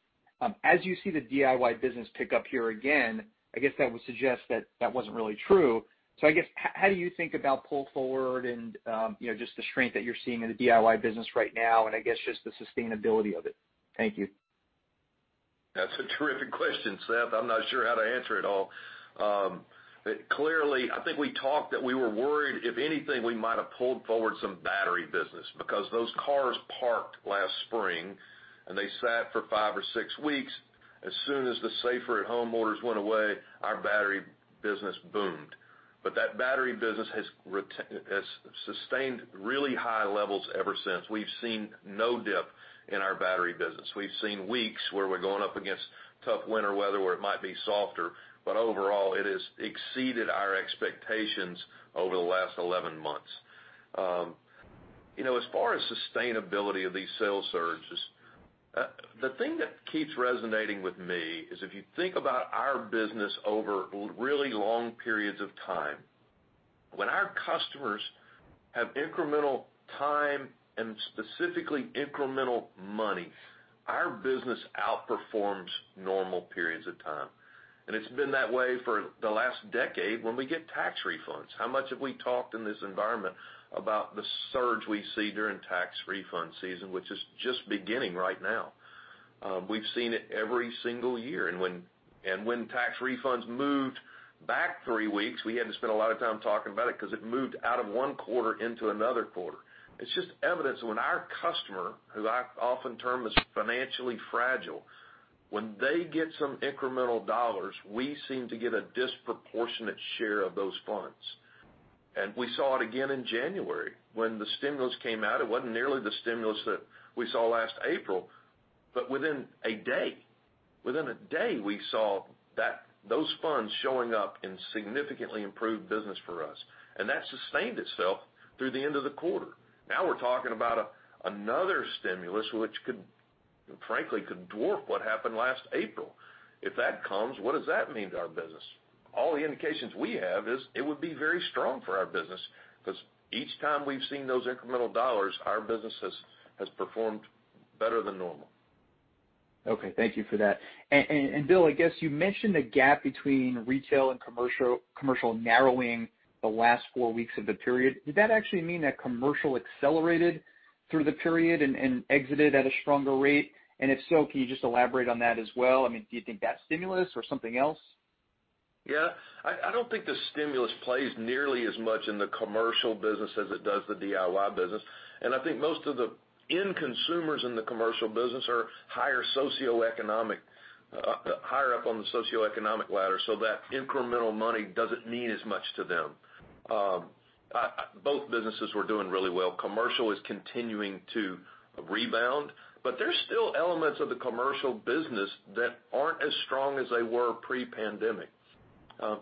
As you see the DIY business pick up here again, I guess that would suggest that that wasn't really true. I guess, how do you think about pull forward and just the strength that you're seeing in the DIY business right now, and I guess just the sustainability of it? Thank you. That's a terrific question, Seth. I'm not sure how to answer it all. Clearly, I think we talked that we were worried, if anything, we might have pulled forward some battery business because those cars parked last spring, and they sat for five or six weeks. As soon as the safer at home orders went away, our battery business boomed. That battery business has sustained really high levels ever since. We've seen no dip in our battery business. We've seen weeks where we're going up against tough winter weather where it might be softer, but overall, it has exceeded our expectations over the last 11 months. As far as sustainability of these sales surges, the thing that keeps resonating with me is if you think about our business over really long periods of time, when our customers have incremental time and specifically incremental money, our business outperforms normal periods of time. It's been that way for the last decade when we get tax refunds. How much have we talked in this environment about the surge we see during tax refund season, which is just beginning right now? We've seen it every single year. When tax refunds moved back three weeks, we hadn't spent a lot of time talking about it because it moved out of one quarter into another quarter. It's just evidence when our customer, who I often term as financially fragile, when they get some incremental dollars, we seem to get a disproportionate share of those funds. We saw it again in January when the stimulus came out. It wasn't nearly the stimulus that we saw last April, but within a day, we saw those funds showing up and significantly improved business for us, and that sustained itself through the end of the quarter. Now we're talking about another stimulus which frankly, could dwarf what happened last April. If that comes, what does that mean to our business? All the indications we have is it would be very strong for our business, because each time we've seen those incremental dollars, our business has performed better than normal. Okay. Thank you for that. Bill, I guess you mentioned the gap between retail and commercial narrowing the last four weeks of the period. Did that actually mean that commercial accelerated through the period and exited at a stronger rate? If so, can you just elaborate on that as well? Do you think that's stimulus or something else? Yeah. I don't think the stimulus plays nearly as much in the commercial business as it does the DIY business. I think most of the end consumers in the commercial business are higher up on the socioeconomic ladder, so that incremental money doesn't mean as much to them. Both businesses were doing really well. Commercial is continuing to rebound, there's still elements of the commercial business that aren't as strong as they were pre-pandemic.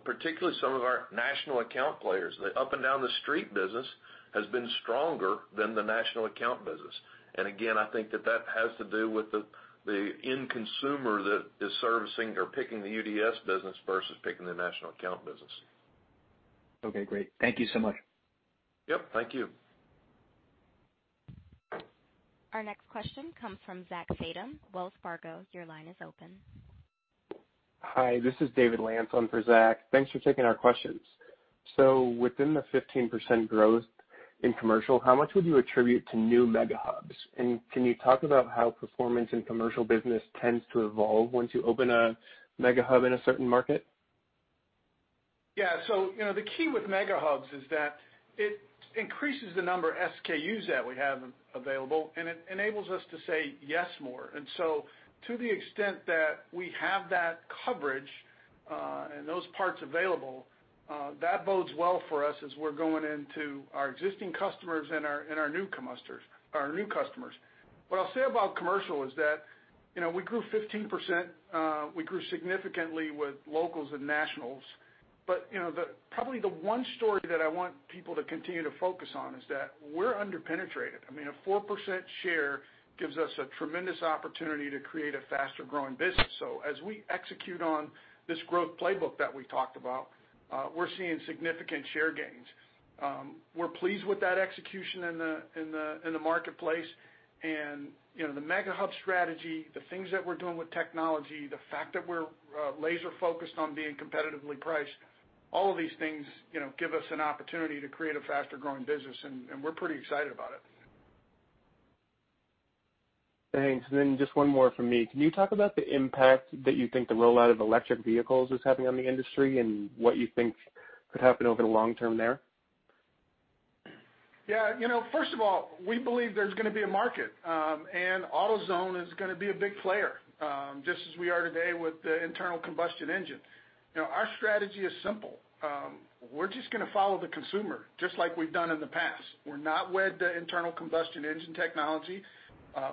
Particularly some of our national account players. The up and down the street business has been stronger than the national account business. Again, I think that that has to do with the end consumer that is servicing or picking the UDS business versus picking the national account business. Okay, great. Thank you so much. Yep, thank you. Our next question comes from Zachary Fadem, Wells Fargo. Your line is open. Hi, this is David Bellinger for Zach. Thanks for taking our questions. Within the 15% growth in commercial, how much would you attribute to new mega hubs? Can you talk about how performance in commercial business tends to evolve once you open a mega hub in a certain market? Yeah. The key with mega hubs is that it increases the number of SKUs that we have available, and it enables us to say yes more. To the extent that we have that coverage, and those parts available, that bodes well for us as we're going into our existing customers and our new customers. What I'll say about commercial is that, we grew 15%, we grew significantly with locals and nationals. Probably the one story that I want people to continue to focus on is that we're under-penetrated. I mean, a 4% share gives us a tremendous opportunity to create a faster-growing business. As we execute on this growth playbook that we talked about, we're seeing significant share gains. We're pleased with that execution in the marketplace and the mega hub strategy, the things that we're doing with technology, the fact that we're laser-focused on being competitively priced, all of these things give us an opportunity to create a faster-growing business, and we're pretty excited about it. Thanks. Just one more from me. Can you talk about the impact that you think the rollout of electric vehicles is having on the industry and what you think could happen over the long term there? Yeah. First of all, we believe there's gonna be a market, and AutoZone is gonna be a big player, just as we are today with the internal combustion engine. Our strategy is simple. We're just gonna follow the consumer, just like we've done in the past. We're not wed to internal combustion engine technology.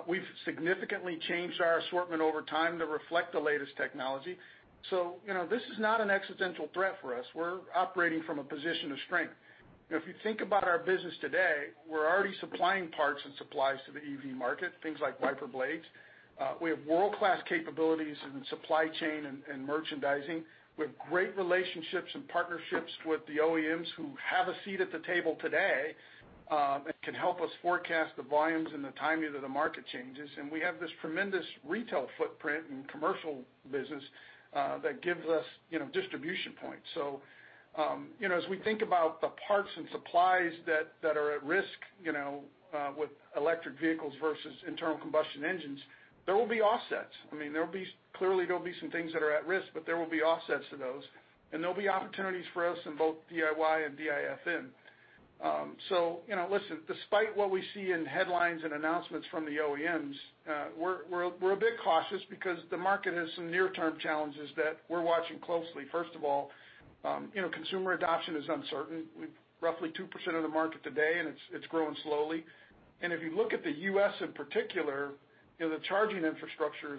We've significantly changed our assortment over time to reflect the latest technology. This is not an existential threat for us. We're operating from a position of strength. If you think about our business today, we're already supplying parts and supplies to the EV market, things like wiper blades. We have world-class capabilities in supply chain and merchandising. We have great relationships and partnerships with the OEMs who have a seat at the table today, can help us forecast the volumes and the timing of the market changes. We have this tremendous retail footprint and commercial business that gives us distribution points. As we think about the parts and supplies that are at risk with electric vehicles versus internal combustion engines, there will be offsets. Clearly, there'll be some things that are at risk, but there will be offsets to those, and there'll be opportunities for us in both DIY and DIFM. Listen, despite what we see in headlines and announcements from the OEMs, we're a bit cautious because the market has some near-term challenges that we're watching closely. First of all, consumer adoption is uncertain. We've roughly 2% of the market today, and it's growing slowly. If you look at the U.S. in particular, the charging infrastructure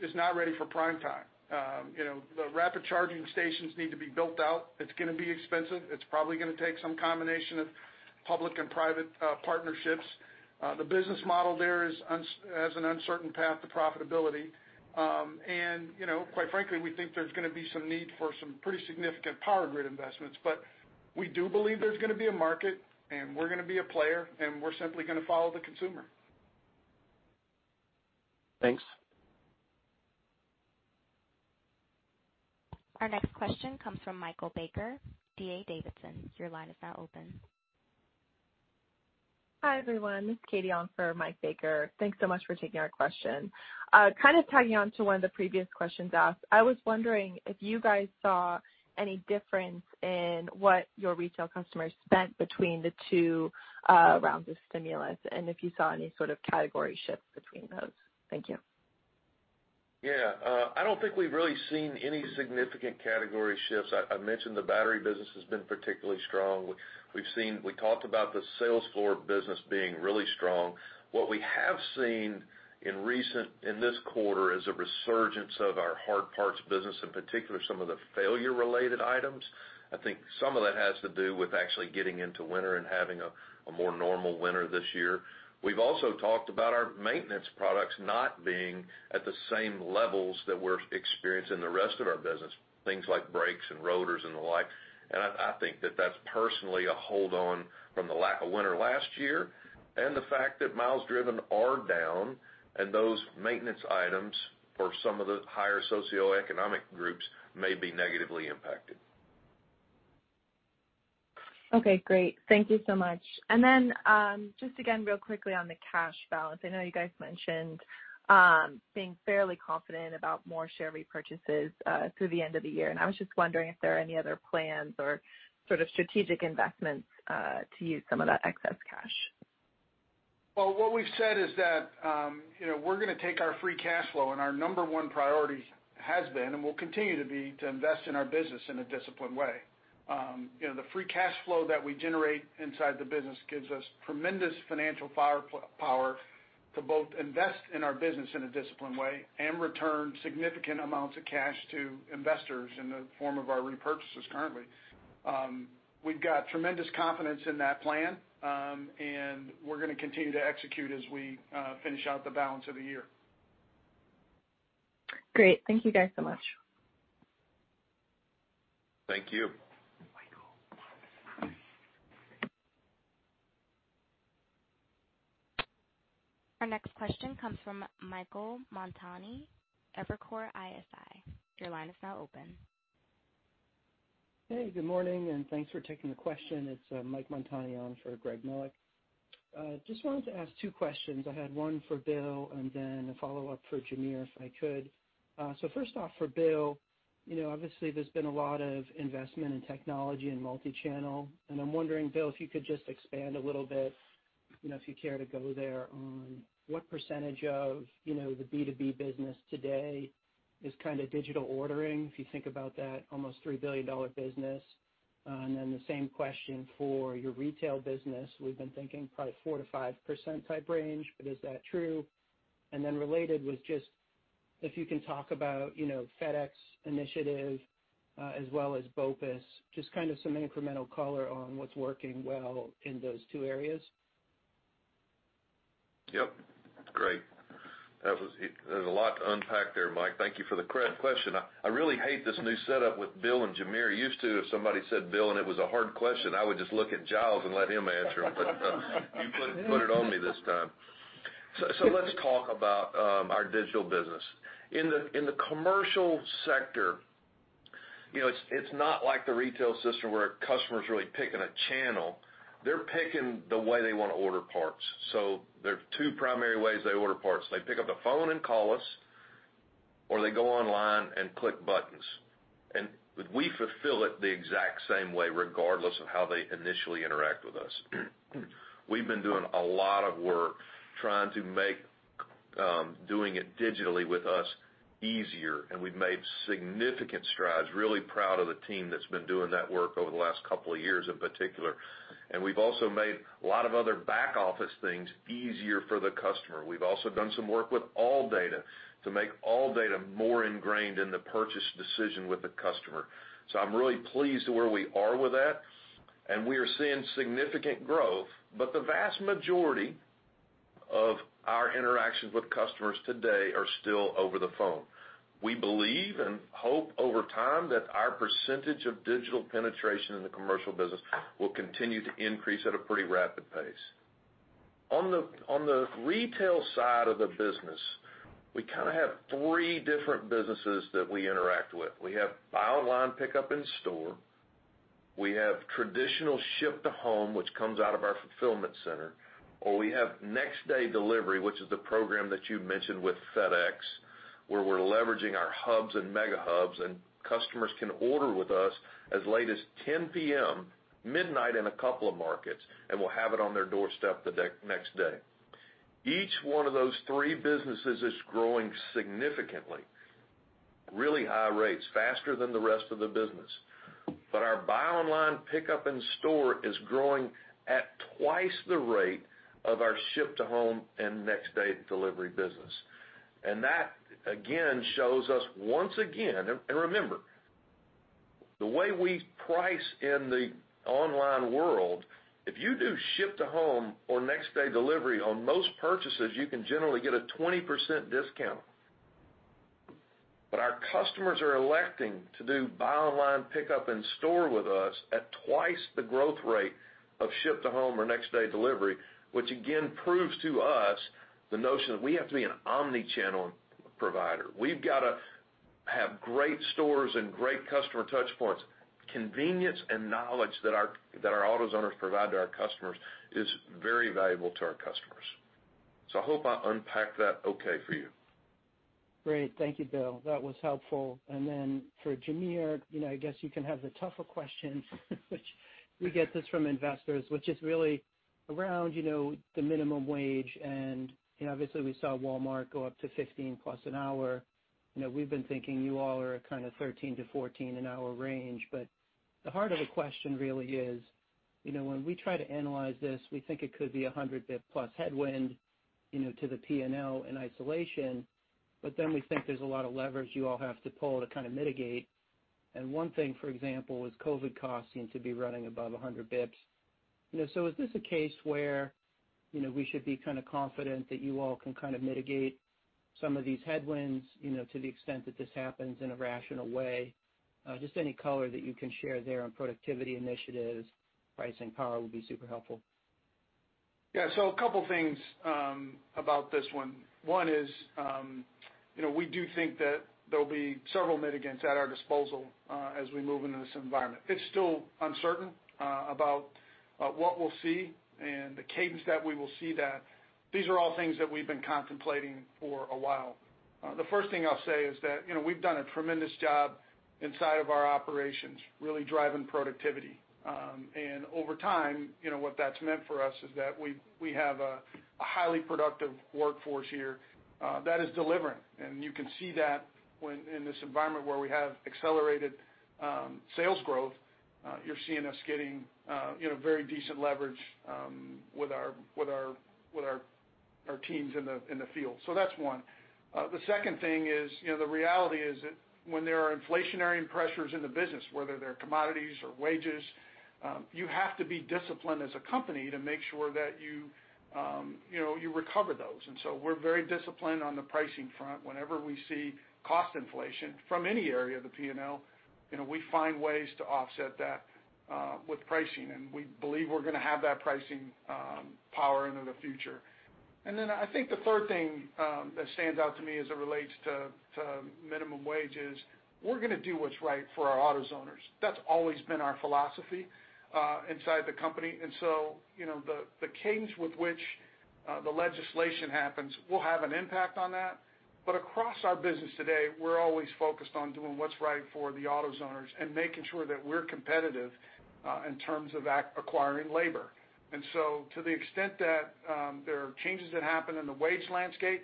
is not ready for prime time. The rapid charging stations need to be built out. It's going to be expensive. It's probably going to take some combination of public and private partnerships. The business model there has an uncertain path to profitability. Quite frankly, we think there's going to be some need for some pretty significant power grid investments. We do believe there's going to be a market, and we're going to be a player, and we're simply going to follow the consumer. Thanks. Our next question comes from Michael Baker, D.A. Davidson. Your line is now open. Hi, everyone. This is Katie on for Mike Baker. Thanks so much for taking our question. Kind of tagging on to one of the previous questions asked, I was wondering if you guys saw any difference in what your retail customers spent between the two rounds of stimulus, and if you saw any sort of category shifts between those. Thank you. Yeah. I don't think we've really seen any significant category shifts. I mentioned the battery business has been particularly strong. We talked about the sales floor business being really strong. What we have seen in this quarter is a resurgence of our hard parts business, in particular, some of the failure-related items. I think some of that has to do with actually getting into winter and having a more normal winter this year. We've also talked about our maintenance products not being at the same levels that we're experiencing the rest of our business, things like brakes and rotors and the like. I think that that's personally a hold on from the lack of winter last year and the fact that miles driven are down, and those maintenance items for some of the higher socioeconomic groups may be negatively impacted. Okay, great. Thank you so much. Then, just again, real quickly on the cash balance. I know you guys mentioned being fairly confident about more share repurchases through the end of the year, and I was just wondering if there are any other plans or sort of strategic investments to use some of that excess cash? Well, what we've said is that we're going to take our free cash flow, and our number one priority has been, and will continue to be, to invest in our business in a disciplined way. The free cash flow that we generate inside the business gives us tremendous financial firepower to both invest in our business in a disciplined way and return significant amounts of cash to investors in the form of our repurchases currently. We've got tremendous confidence in that plan, and we're going to continue to execute as we finish out the balance of the year. Great. Thank you guys so much. Thank you. Our next question comes from Michael Montani, Evercore ISI. Your line is now open. Hey, good morning, and thanks for taking the question. It's Mike Montani on for Greg Melich. Just wanted to ask two questions. I had one for Bill and then a follow-up for Jamere, if I could. First off, for Bill, obviously, there's been a lot of investment in technology and multi-channel, and I'm wondering, Bill, if you could just expand a little bit, if you care to go there, on what percentage of the B2B business today is kind of digital ordering, if you think about that almost $3 billion business. Then the same question for your retail business. We've been thinking probably 4%-5% type range, is that true? Then related with just if you can talk about FedEx initiative as well as BOPUS, just kind of some incremental color on what's working well in those two areas. Yep. Great. There's a lot to unpack there, Mike. Thank you for the question. I really hate this new setup with Bill and Jamere. Used to if somebody said Bill and it was a hard question, I would just look at Giles and let him answer them. You put it on me this time. Let's talk about our digital business. In the commercial sector, it's not like the retail system where a customer's really picking a channel. They're picking the way they want to order parts. There are two primary ways they order parts. They pick up the phone and call us, or they go online and click buttons. We fulfill it the exact same way, regardless of how they initially interact with us. We've been doing a lot of work trying to make doing it digitally with us easier, and we've made significant strides. Really proud of the team that's been doing that work over the last couple of years in particular. We've also made a lot of other back-office things easier for the customer. We've also done some work with ALLDATA to make ALLDATA more ingrained in the purchase decision with the customer. I'm really pleased with where we are with that, and we are seeing significant growth, but the vast majority of our interactions with customers today are still over the phone. We believe and hope over time that our percentage of digital penetration in the commercial business will continue to increase at a pretty rapid pace. On the retail side of the business, we kind of have three different businesses that we interact with. We have buy online, pickup in store. We have traditional ship to home, which comes out of our fulfillment center, or we have next-day delivery, which is the program that you mentioned with FedEx, where we're leveraging our hubs and mega hubs, and customers can order with us as late as 10:00 P.M., midnight in a couple of markets, and we'll have it on their doorstep the next day. Each one of those three businesses is growing significantly, really high rates, faster than the rest of the business. Our buy online, pickup in store is growing at twice the rate of our ship to home and next day delivery business. That, again, shows us once again, and remember, the way we price in the online world, if you do ship to home or next day delivery on most purchases, you can generally get a 20% discount. Our customers are electing to do buy online, pickup in store with us at twice the growth rate of ship to home or next day delivery, which again proves to us the notion that we have to be an omni-channel provider. We've got to have great stores and great customer touchpoints. Convenience and knowledge that our AutoZoners provide to our customers is very valuable to our customers. I hope I unpacked that okay for you. Great. Thank you, Bill. That was helpful. Then for Jamere, I guess you can have the tougher question which we get this from investors, which is really around the minimum wage. Obviously, we saw Walmart go up to $15+ an hour. We've been thinking you all are kind of $13-$14 an hour range. The heart of the question really is, when we try to analyze this, we think it could be 100 basis points+ headwind to the P&L in isolation. Then we think there's a lot of leverage you all have to pull to kind of mitigate. One thing, for example, is COVID costs seem to be running above 100 basis points. Is this a case where we should be kind of confident that you all can kind of mitigate some of these headwinds to the extent that this happens in a rational way? Just any color that you can share there on productivity initiatives, pricing power would be super helpful. A couple things about this one. One is we do think that there'll be several mitigants at our disposal as we move into this environment. It's still uncertain about what we'll see and the cadence that we will see that these are all things that we've been contemplating for a while. The first thing I'll say is that we've done a tremendous job inside of our operations, really driving productivity. Over time, what that's meant for us is that we have a highly productive workforce here that is delivering. You can see that in this environment where we have accelerated sales growth you're seeing us getting very decent leverage with our teams in the field. That's one. The second thing is, the reality is that when there are inflationary pressures in the business, whether they're commodities or wages, you have to be disciplined as a company to make sure that you recover those. We're very disciplined on the pricing front. Whenever we see cost inflation from any area of the P&L, we find ways to offset that with pricing, and we believe we're going to have that pricing power into the future. I think the third thing that stands out to me as it relates to minimum wage is we're going to do what's right for our AutoZoners. That's always been our philosophy inside the company. The cadence with which the legislation happens will have an impact on that. Across our business today, we're always focused on doing what's right for the AutoZoners and making sure that we're competitive in terms of acquiring labor. To the extent that there are changes that happen in the wage landscape,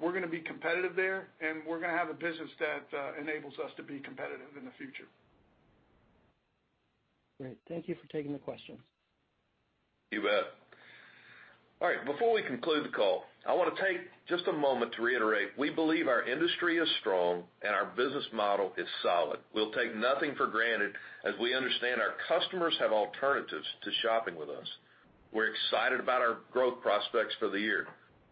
we're going to be competitive there, and we're going to have a business that enables us to be competitive in the future. Great. Thank you for taking the question. You bet. All right. Before we conclude the call, I want to take just a moment to reiterate we believe our industry is strong and our business model is solid. We'll take nothing for granted as we understand our customers have alternatives to shopping with us. We're excited about our growth prospects for the year.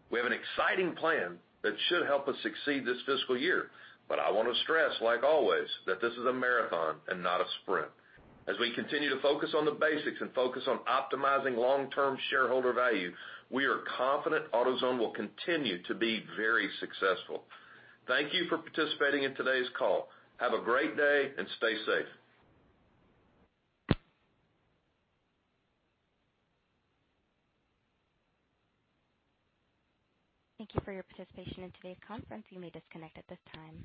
We have an exciting plan that should help us succeed this fiscal year. I want to stress, like always, that this is a marathon and not a sprint. As we continue to focus on the basics and focus on optimizing long-term shareholder value, we are confident AutoZone will continue to be very successful. Thank you for participating in today's call. Have a great day and stay safe. Thank you for your participation in today's conference. You may disconnect at this time.